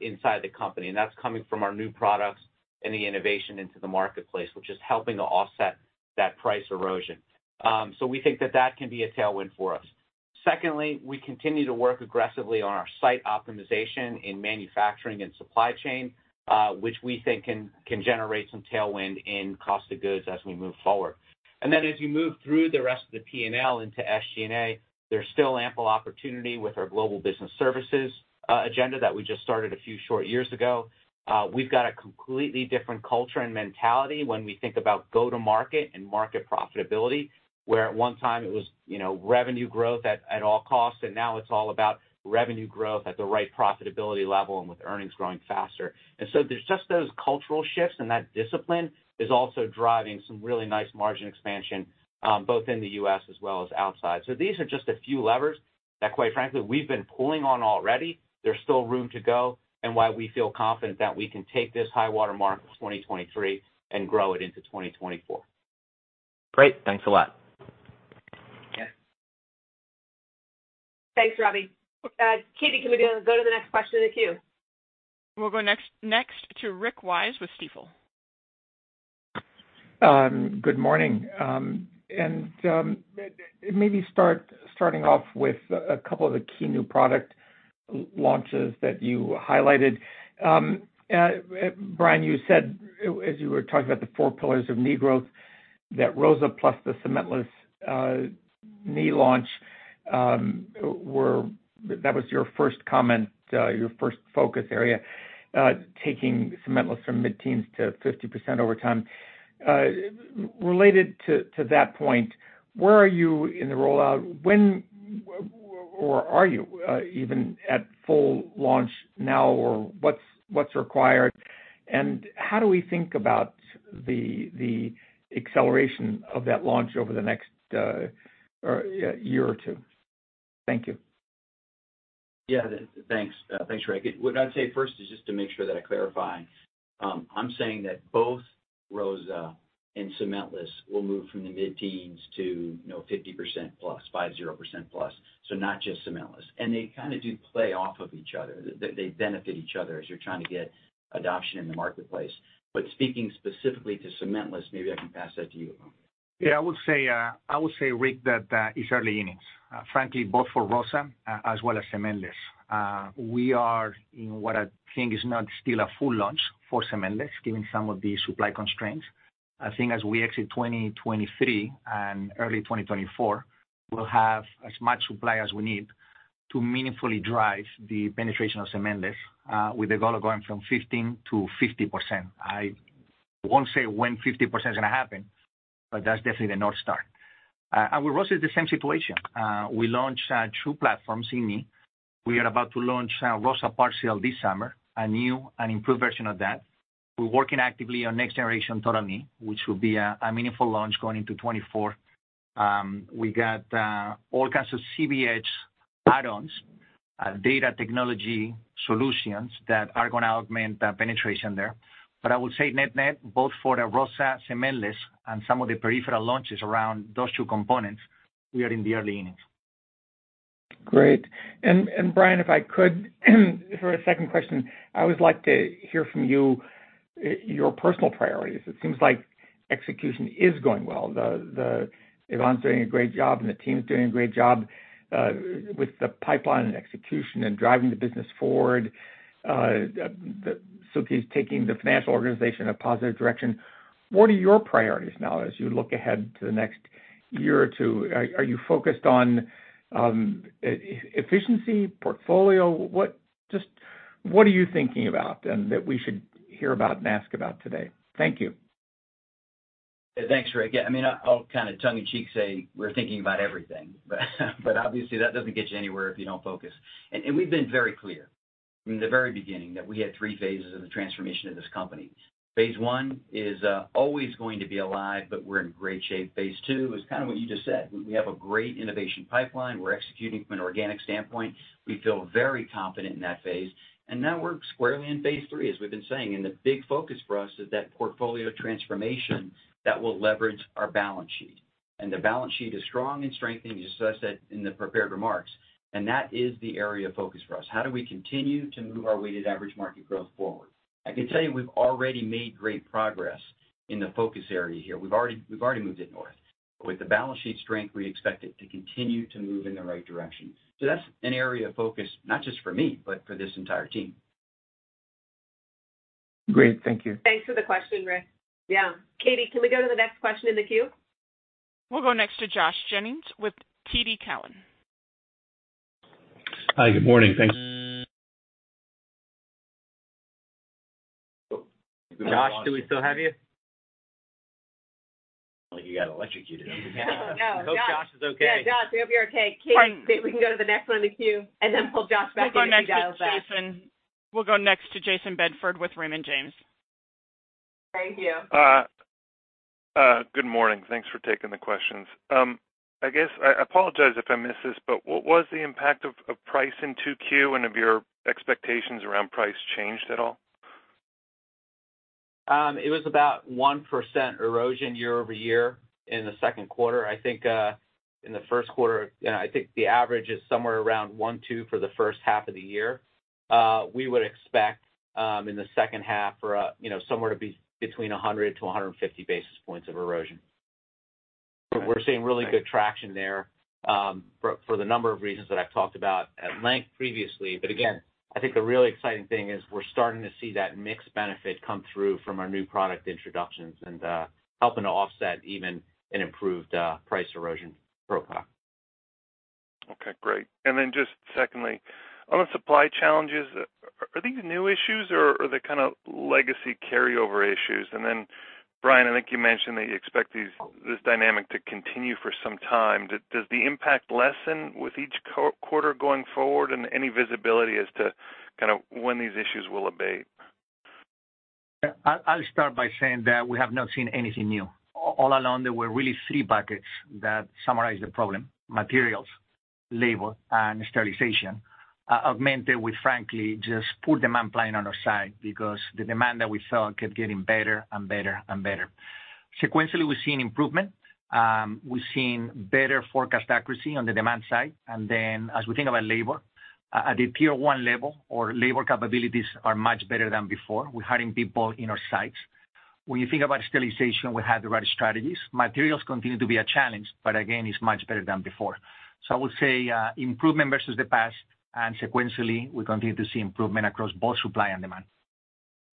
inside the company, and that's coming from our new products and the innovation into the marketplace, which is helping to offset that price erosion. So we think that that can be a tailwind for us. Secondly, we continue to work aggressively on our site optimization in manufacturing and supply chain, which we think can, can generate some tailwind in cost of goods as we move forward. As you move through the rest of the P&L into SG&A, there's still ample opportunity with our global business services agenda that we just started a few short years ago. We've got a completely different culture and mentality when we think about go-to-market and market profitability, where at one time it was, you know, revenue growth at, at all costs, and now it's all about revenue growth at the right profitability level and with earnings growing faster. There's just those cultural shifts, and that discipline is also driving some really nice margin expansion, both in the US as well as outside. These are just a few levers that, quite frankly, we've been pulling on already. There's still room to go and why we feel confident that we can take this high-water mark of 2023 and grow it into 2024. Great. Thanks a lot. Okay. Thanks, Robbie. Katie, can we go to the next question in the queue? We'll go next, next to Rick Wise with Stifel. Good morning. Maybe starting off with a couple of the key new product launches that you highlighted. Bryan, you said, as you were talking about the four pillars of knee growth, that ROSA plus the cementless knee launch were. That was your first comment, your first focus area, taking cementless from mid-teens to 50% over time. Related to that point, where are you in the rollout? When or are you even at full launch now, or what's required, and how do we think about the acceleration of that launch over the next year or two? Thank you. Yeah, thanks. Thanks, Rick. What I'd say first is just to make sure that I clarify. I'm saying that both ROSA and cementless will move from the mid-teens to, you know, 50% plus, 50% plus, so not just cementless. They kind of do play off of each other. They, they benefit each other as you're trying to get adoption in the marketplace. Speaking specifically to cementless, maybe I can pass that to you, Ivan. Yeah, I would say, I would say, Rick, that it's early innings, frankly, both for ROSA, as well as cementless. We are in what I think is not still a full launch for cementless, given some of the supply constraints. I think as we exit 2023 and early 2024, we'll have as much supply as we need to meaningfully drive the penetration of cementless, with the goal of going from 15%-50%. I won't say when 50% is gonna happen, but that's definitely the North Star. With ROSA is the same situation. We launched two platforms in me. We are about to launch ROSA Partial this summer, a new and improved version of that. We're working actively on next generation total knee, which will be a meaningful launch going into 2024. We got all kinds of CDH add-ons, data technology solutions that are gonna augment the penetration there. I would say net-net, both for the ROSA, cementless, and some of the peripheral launches around those two components, we are in the early innings. Great. Bryan, if I could, for a second question, I always like to hear from you, your personal priorities. It seems like execution is going well. Ivan's doing a great job, and the team's doing a great job with the pipeline and execution and driving the business forward. The Suki's taking the financial organization in a positive direction. What are your priorities now, as you look ahead to the next year or two? Are you focused on e-efficiency, portfolio? Just what are you thinking about and that we should hear about and ask about today? Thank you. Thanks, Rick. Yeah, I mean, I'll kind of tongue in cheek say we're thinking about everything, but, but obviously, that doesn't get you anywhere if you don't focus. We've been very clear from the very beginning that we had 3 phases of the transformation of this company. Phase 1 is always going to be alive, but we're in great shape. Phase 2 is kind of what you just said. We have a great innovation pipeline. We're executing from an organic standpoint. We feel very confident in that phase, now we're squarely in phase 3, as we've been saying. The big focus for us is that portfolio transformation that will leverage our balance sheet. The balance sheet is strong and strengthening, just as I said in the prepared remarks, and that is the area of focus for us. How do we continue to move our Weighted Average Market Growth forward? I can tell you we've already made great progress in the focus area here. We've already, we've already moved it north. With the balance sheet strength, we expect it to continue to move in the right direction. That's an area of focus, not just for me, but for this entire team. Great. Thank you. Thanks for the question, Rick. Yeah. Katie, can we go to the next question in the queue? We'll go next to Joshua Jennings with TD Cowen. Hi, good morning. Thank Josh, do we still have you? Like you got electrocuted. I know. Hope Josh is okay. Yeah, Josh, we hope you're okay. Katie, we can go to the next one in the queue, and then we'll Josh back in when he dials back. We'll go next to Jayson. We'll go next to Jayson Bedford with Raymond James. Thank you. Good morning. Thanks for taking the questions. I guess I apologize if I missed this, but what was the impact of price in 2Q, and have your expectations around price changed at all? It was about 1% erosion year-over-year in the second quarter. I think, in the first quarter, I think the average is somewhere around 1, 2 for the first half of the year. We would expect, in the second half for, you know, somewhere to be between 100 to 150 basis points of erosion. But we're seeing really good traction there, for, for the number of reasons that I've talked about at length previously. But again, I think the really exciting thing is we're starting to see that mix benefit come through from our new product introductions and, helping to offset even an improved, price erosion profile. Okay, great. Then just secondly, on the supply challenges, are these new issues or are they kind of legacy carryover issues? Then, Bryan, I think you mentioned that you expect this dynamic to continue for some time. Does the impact lessen with each quarter going forward, and any visibility as to kind of when these issues will abate? Yeah, I'll, I'll start by saying that we have not seen anything new. All along, there were really three buckets that summarize the problem: materials, labor, and sterilization, augmented with, frankly, just poor demand planning on our side because the demand that we saw kept getting better and better and better. Sequentially, we've seen improvement. We've seen better forecast accuracy on the demand side. Then as we think about labor, at the tier one level, our labor capabilities are much better than before. We're hiring people in our sites. When you think about sterilization, we have the right strategies. Materials continue to be a challenge, again, it's much better than before. I would say, improvement versus the past, and sequentially, we continue to see improvement across both supply and demand.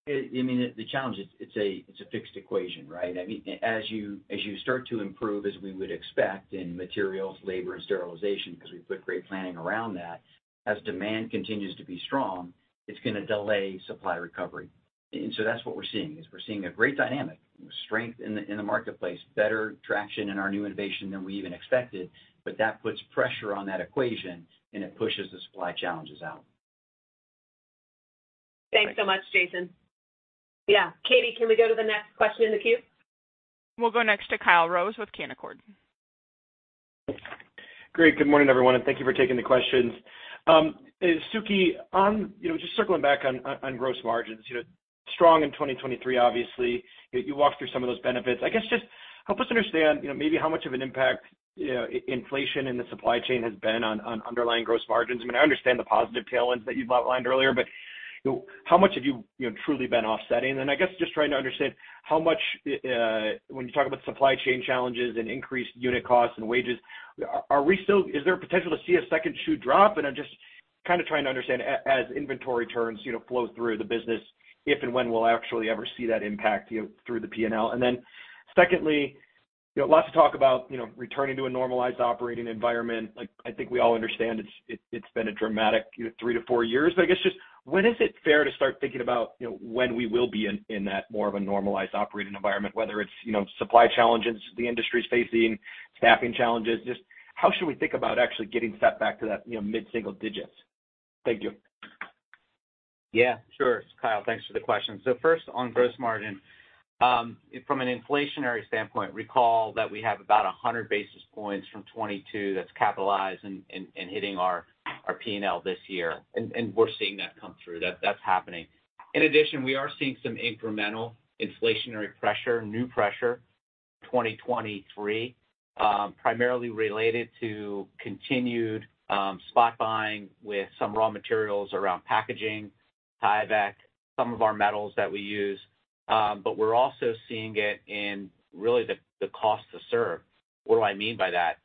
I mean, the challenge, it's a fixed equation, right? I mean, as you start to improve, as we would expect in materials, labor, and sterilization, because we put great planning around that, as demand continues to be strong, it's going to delay supply recovery. That's what we're seeing, is we're seeing a great dynamic, strength in the marketplace, better traction in our new innovation than we even expected, but that puts pressure on that equation, and it pushes the supply challenges out. Thanks so much, Jason. Yeah. Katie, can we go to the next question in the queue? We'll go next to Kyle Rose with Canaccord. Great. Good morning, everyone, thank you for taking the questions. Sukhi, on, you know, just circling back on gross margins, you know, strong in 2023, obviously. You walked through some of those benefits. I guess just help us understand, you know, maybe how much of an impact, you know, inflation in the supply chain has been on underlying gross margins. I mean, I understand the positive tailwinds that you've outlined earlier, you know, how much have you, you know, truly been offsetting? I guess just trying to understand how much, when you talk about supply chain challenges and increased unit costs and wages, is there a potential to see a second shoe drop? I'm just kind of trying to understand as inventory turns, you know, flow through the business, if and when we'll actually ever see that impact, you know, through the P&L. Secondly, you know, lots of talk about, you know, returning to a normalized operating environment. Like, I think we all understand it's been a dramatic, you know, 3-4 years. I guess just when is it fair to start thinking about, you know, when we will be in, in that more of a normalized operating environment, whether it's, you know, supply challenges the industry is facing, staffing challenges, just how should we think about actually getting set back to that, you know, mid-single digits? Thank you. Yeah, sure, Kyle. Thanks for the question. First, on gross margin, from an inflationary standpoint, recall that we have about 100 basis points from 2022 that's capitalized and, and, and hitting our, our P&L this year, and, and we're seeing that come through. That, that's happening. In addition, we are seeing some incremental inflationary pressure, new pressure, 2023, primarily related to continued spot buying with some raw materials around packaging, Tyvek, some of our metals that we use. But we're also seeing it in really the cost to serve. What do I mean by that?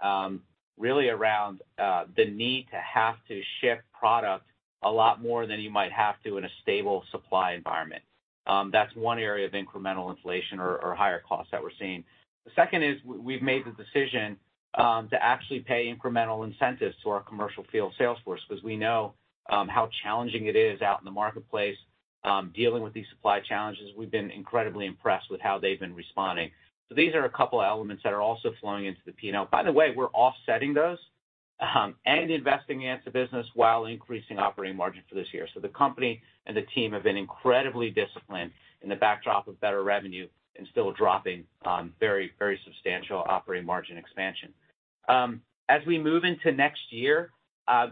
Really around the need to have to ship product a lot more than you might have to in a stable supply environment. That's one area of incremental inflation or higher costs that we're seeing. The second is we've made the decision to actually pay incremental incentives to our commercial field sales force because we know how challenging it is out in the marketplace dealing with these supply challenges. We've been incredibly impressed with how they've been responding. These are a couple of elements that are also flowing into the P&L. By the way, we're offsetting those and investing in the business while increasing operating margin for this year. The company and the team have been incredibly disciplined in the backdrop of better revenue and still dropping very, very substantial operating margin expansion. As we move into next year,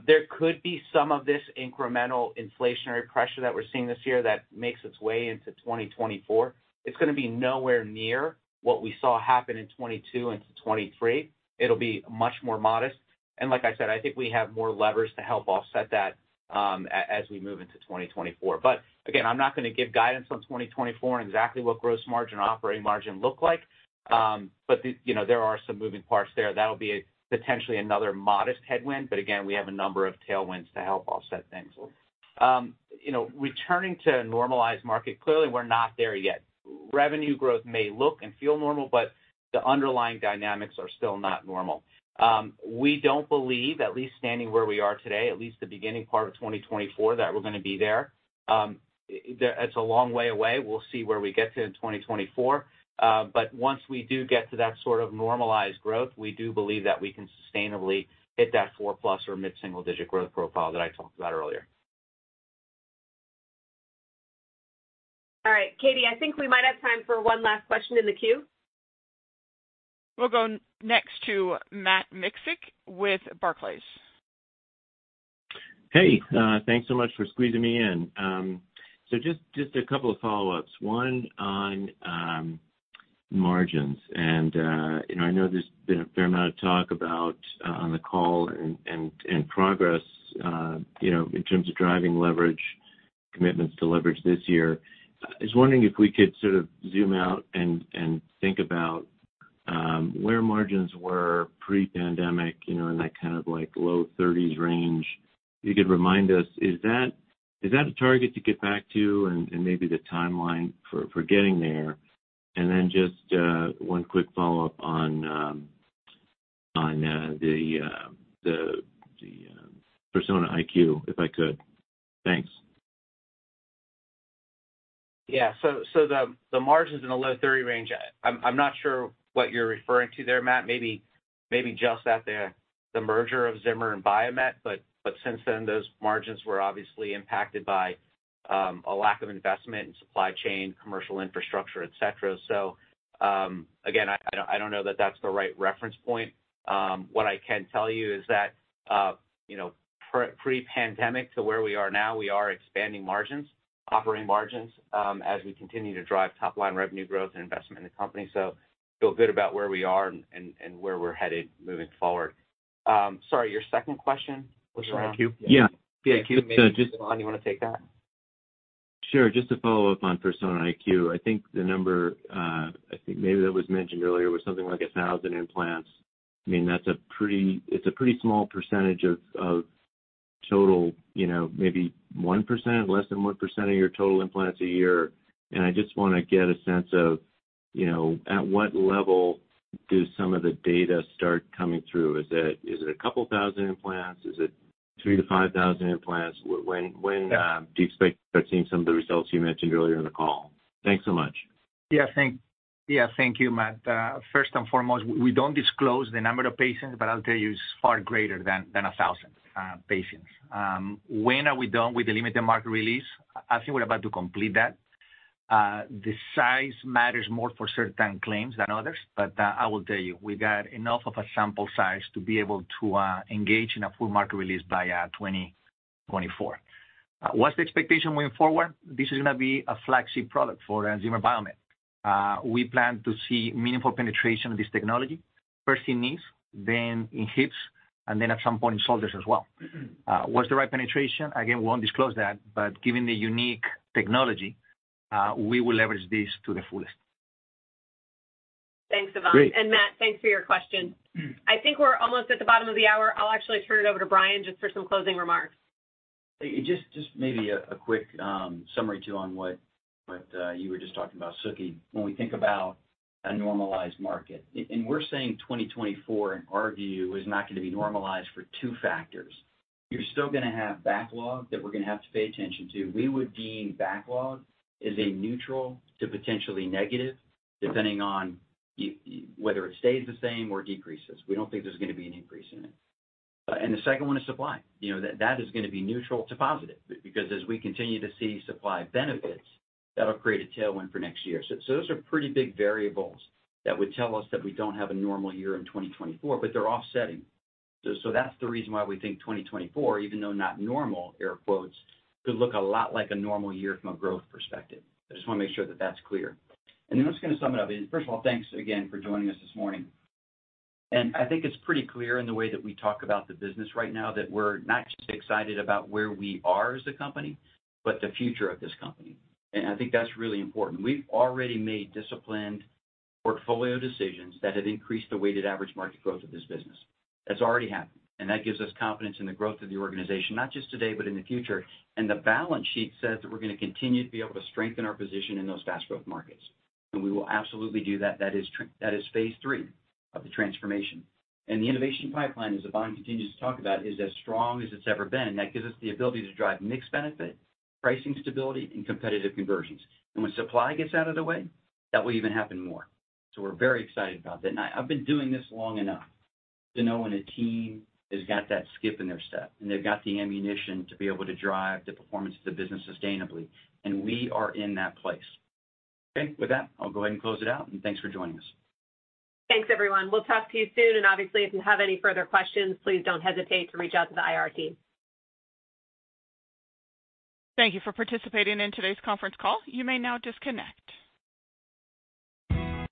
there could be some of this incremental inflationary pressure that we're seeing this year that makes its way into 2024. It's going to be nowhere near what we saw happen in 2022 into 2023. It'll be much more modest. Like I said, I think we have more levers to help offset that, as we move into 2024. Again, I'm not going to give guidance on 2024 on exactly what gross margin and operating margin look like. You know, there are some moving parts there. That'll be potentially another modest headwind, but again, we have a number of tailwinds to help offset things. You know, returning to a normalized market, clearly, we're not there yet. revenue growth may look and feel normal, but the underlying dynamics are still not normal. We don't believe, at least standing where we are today, at least the beginning part of 2024, that we're going to be there. It's a long way away. We'll see where we get to in 2024. Once we do get to that sort of normalized growth, we do believe that we can sustainably hit that 4-plus or mid-single-digit growth profile that I talked about earlier. All right, Katie, I think we might have time for one last question in the queue. We'll go next to Matthew Miksic with Barclays. Hey, thanks so much for squeezing me in. Just, just a couple of follow-ups. One on margins, and, you know, I know there's been a fair amount of talk about on the call and, and, and progress, you know, in terms of driving leverage, commitments to leverage this year. I was wondering if we could sort of zoom out and, and think about where margins were pre-pandemic, you know, in that kind of, like, low 30s range. If you could remind us, is that, is that a target to get back to, and, and maybe the timeline for, for getting there? Then just one quick follow-up on on the the the Persona IQ, if I could. Thanks. Yeah. The, the margins in the low 30 range, I'm, I'm not sure what you're referring to there, Matt. Maybe, maybe just at the, the merger of Zimmer and Biomet, but, but since then, those margins were obviously impacted by a lack of investment in supply chain, commercial infrastructure, et cetera. Again, I, I don't, I don't know that that's the right reference point. What I can tell you is that, you know, pre-pandemic to where we are now, we are expanding margins, operating margins, as we continue to drive top-line revenue growth and investment in the company. Feel good about where we are and, and, and where we're headed moving forward. Sorry, your second question was around? Persona IQ. Yeah, the IQ. Ivan, you want to take that? Sure. Just to follow up on Persona IQ, I think the number, I think maybe that was mentioned earlier, was something like 1,000 implants. I mean, that's a pretty small percentage of, of total, you know, maybe 1%, less than 1% of your total implants a year. I just wanna get a sense of, you know, at what level do some of the data start coming through? Is it, is it a couple thousand implants? Is it 3,000-5,000 implants? When do you expect to start seeing some of the results you mentioned earlier in the call? Thanks so much. Yeah. Thank you, Matt. First and foremost, we don't disclose the number of patients, but I'll tell you, it's far greater than 1,000 patients. When are we done with the limited market release? I think we're about to complete that. The size matters more for certain claims than others, but I will tell you, we got enough of a sample size to be able to engage in a full market release by 2024. What's the expectation going forward? This is gonna be a flagship product for Zimmer Biomet. We plan to see meaningful penetration of this technology, first in knees, then in hips, and then at some point, in shoulders as well. What's the right penetration? Again, we won't disclose that, but given the unique technology, we will leverage this to the fullest. Thanks, Ivan. Great. Matt, thanks for your question. I think we're almost at the bottom of the hour. I'll actually turn it over to Bryan, just for some closing remarks. Hey, just, just maybe a quick summary, too, on what, what you were just talking about, Suki. When we think about a normalized market, and we're saying 2024, in our view, is not going to be normalized for 2 factors. You're still gonna have backlog that we're gonna have to pay attention to. We would deem backlog as a neutral to potentially negative, depending on whether it stays the same or decreases. We don't think there's going to be an increase in it. The second one is supply. You know, that is going to be neutral to positive, because as we continue to see supply benefits, that'll create a tailwind for next year. Those are pretty big variables that would tell us that we don't have a normal year in 2024, but they're offsetting. That's the reason why we think 2024, even though not normal, air quotes, could look a lot like a normal year from a growth perspective. I just want to make sure that that's clear. Then I'm just gonna sum it up. First of all, thanks again for joining us this morning. I think it's pretty clear in the way that we talk about the business right now, that we're not just excited about where we are as a company, but the future of this company, and I think that's really important. We've already made disciplined portfolio decisions that have increased the Weighted Average Market Growth of this business. That's already happened, and that gives us confidence in the growth of the organization, not just today, but in the future. The balance sheet says that we're going to continue to be able to strengthen our position in those fast growth markets, and we will absolutely do that. That is phase three of the transformation. The innovation pipeline, as Ivan continues to talk about, is as strong as it's ever been, and that gives us the ability to drive mix benefit, pricing stability, and competitive conversions. When supply gets out of the way, that will even happen more. We're very excited about that. I, I've been doing this long enough to know when a team has got that skip in their step, and they've got the ammunition to be able to drive the performance of the business sustainably, and we are in that place. With that, I'll go ahead and close it out, and thanks for joining us. Thanks, everyone. We'll talk to you soon. Obviously, if you have any further questions, please don't hesitate to reach out to the IR team. Thank you for participating in today's conference call. You may now disconnect.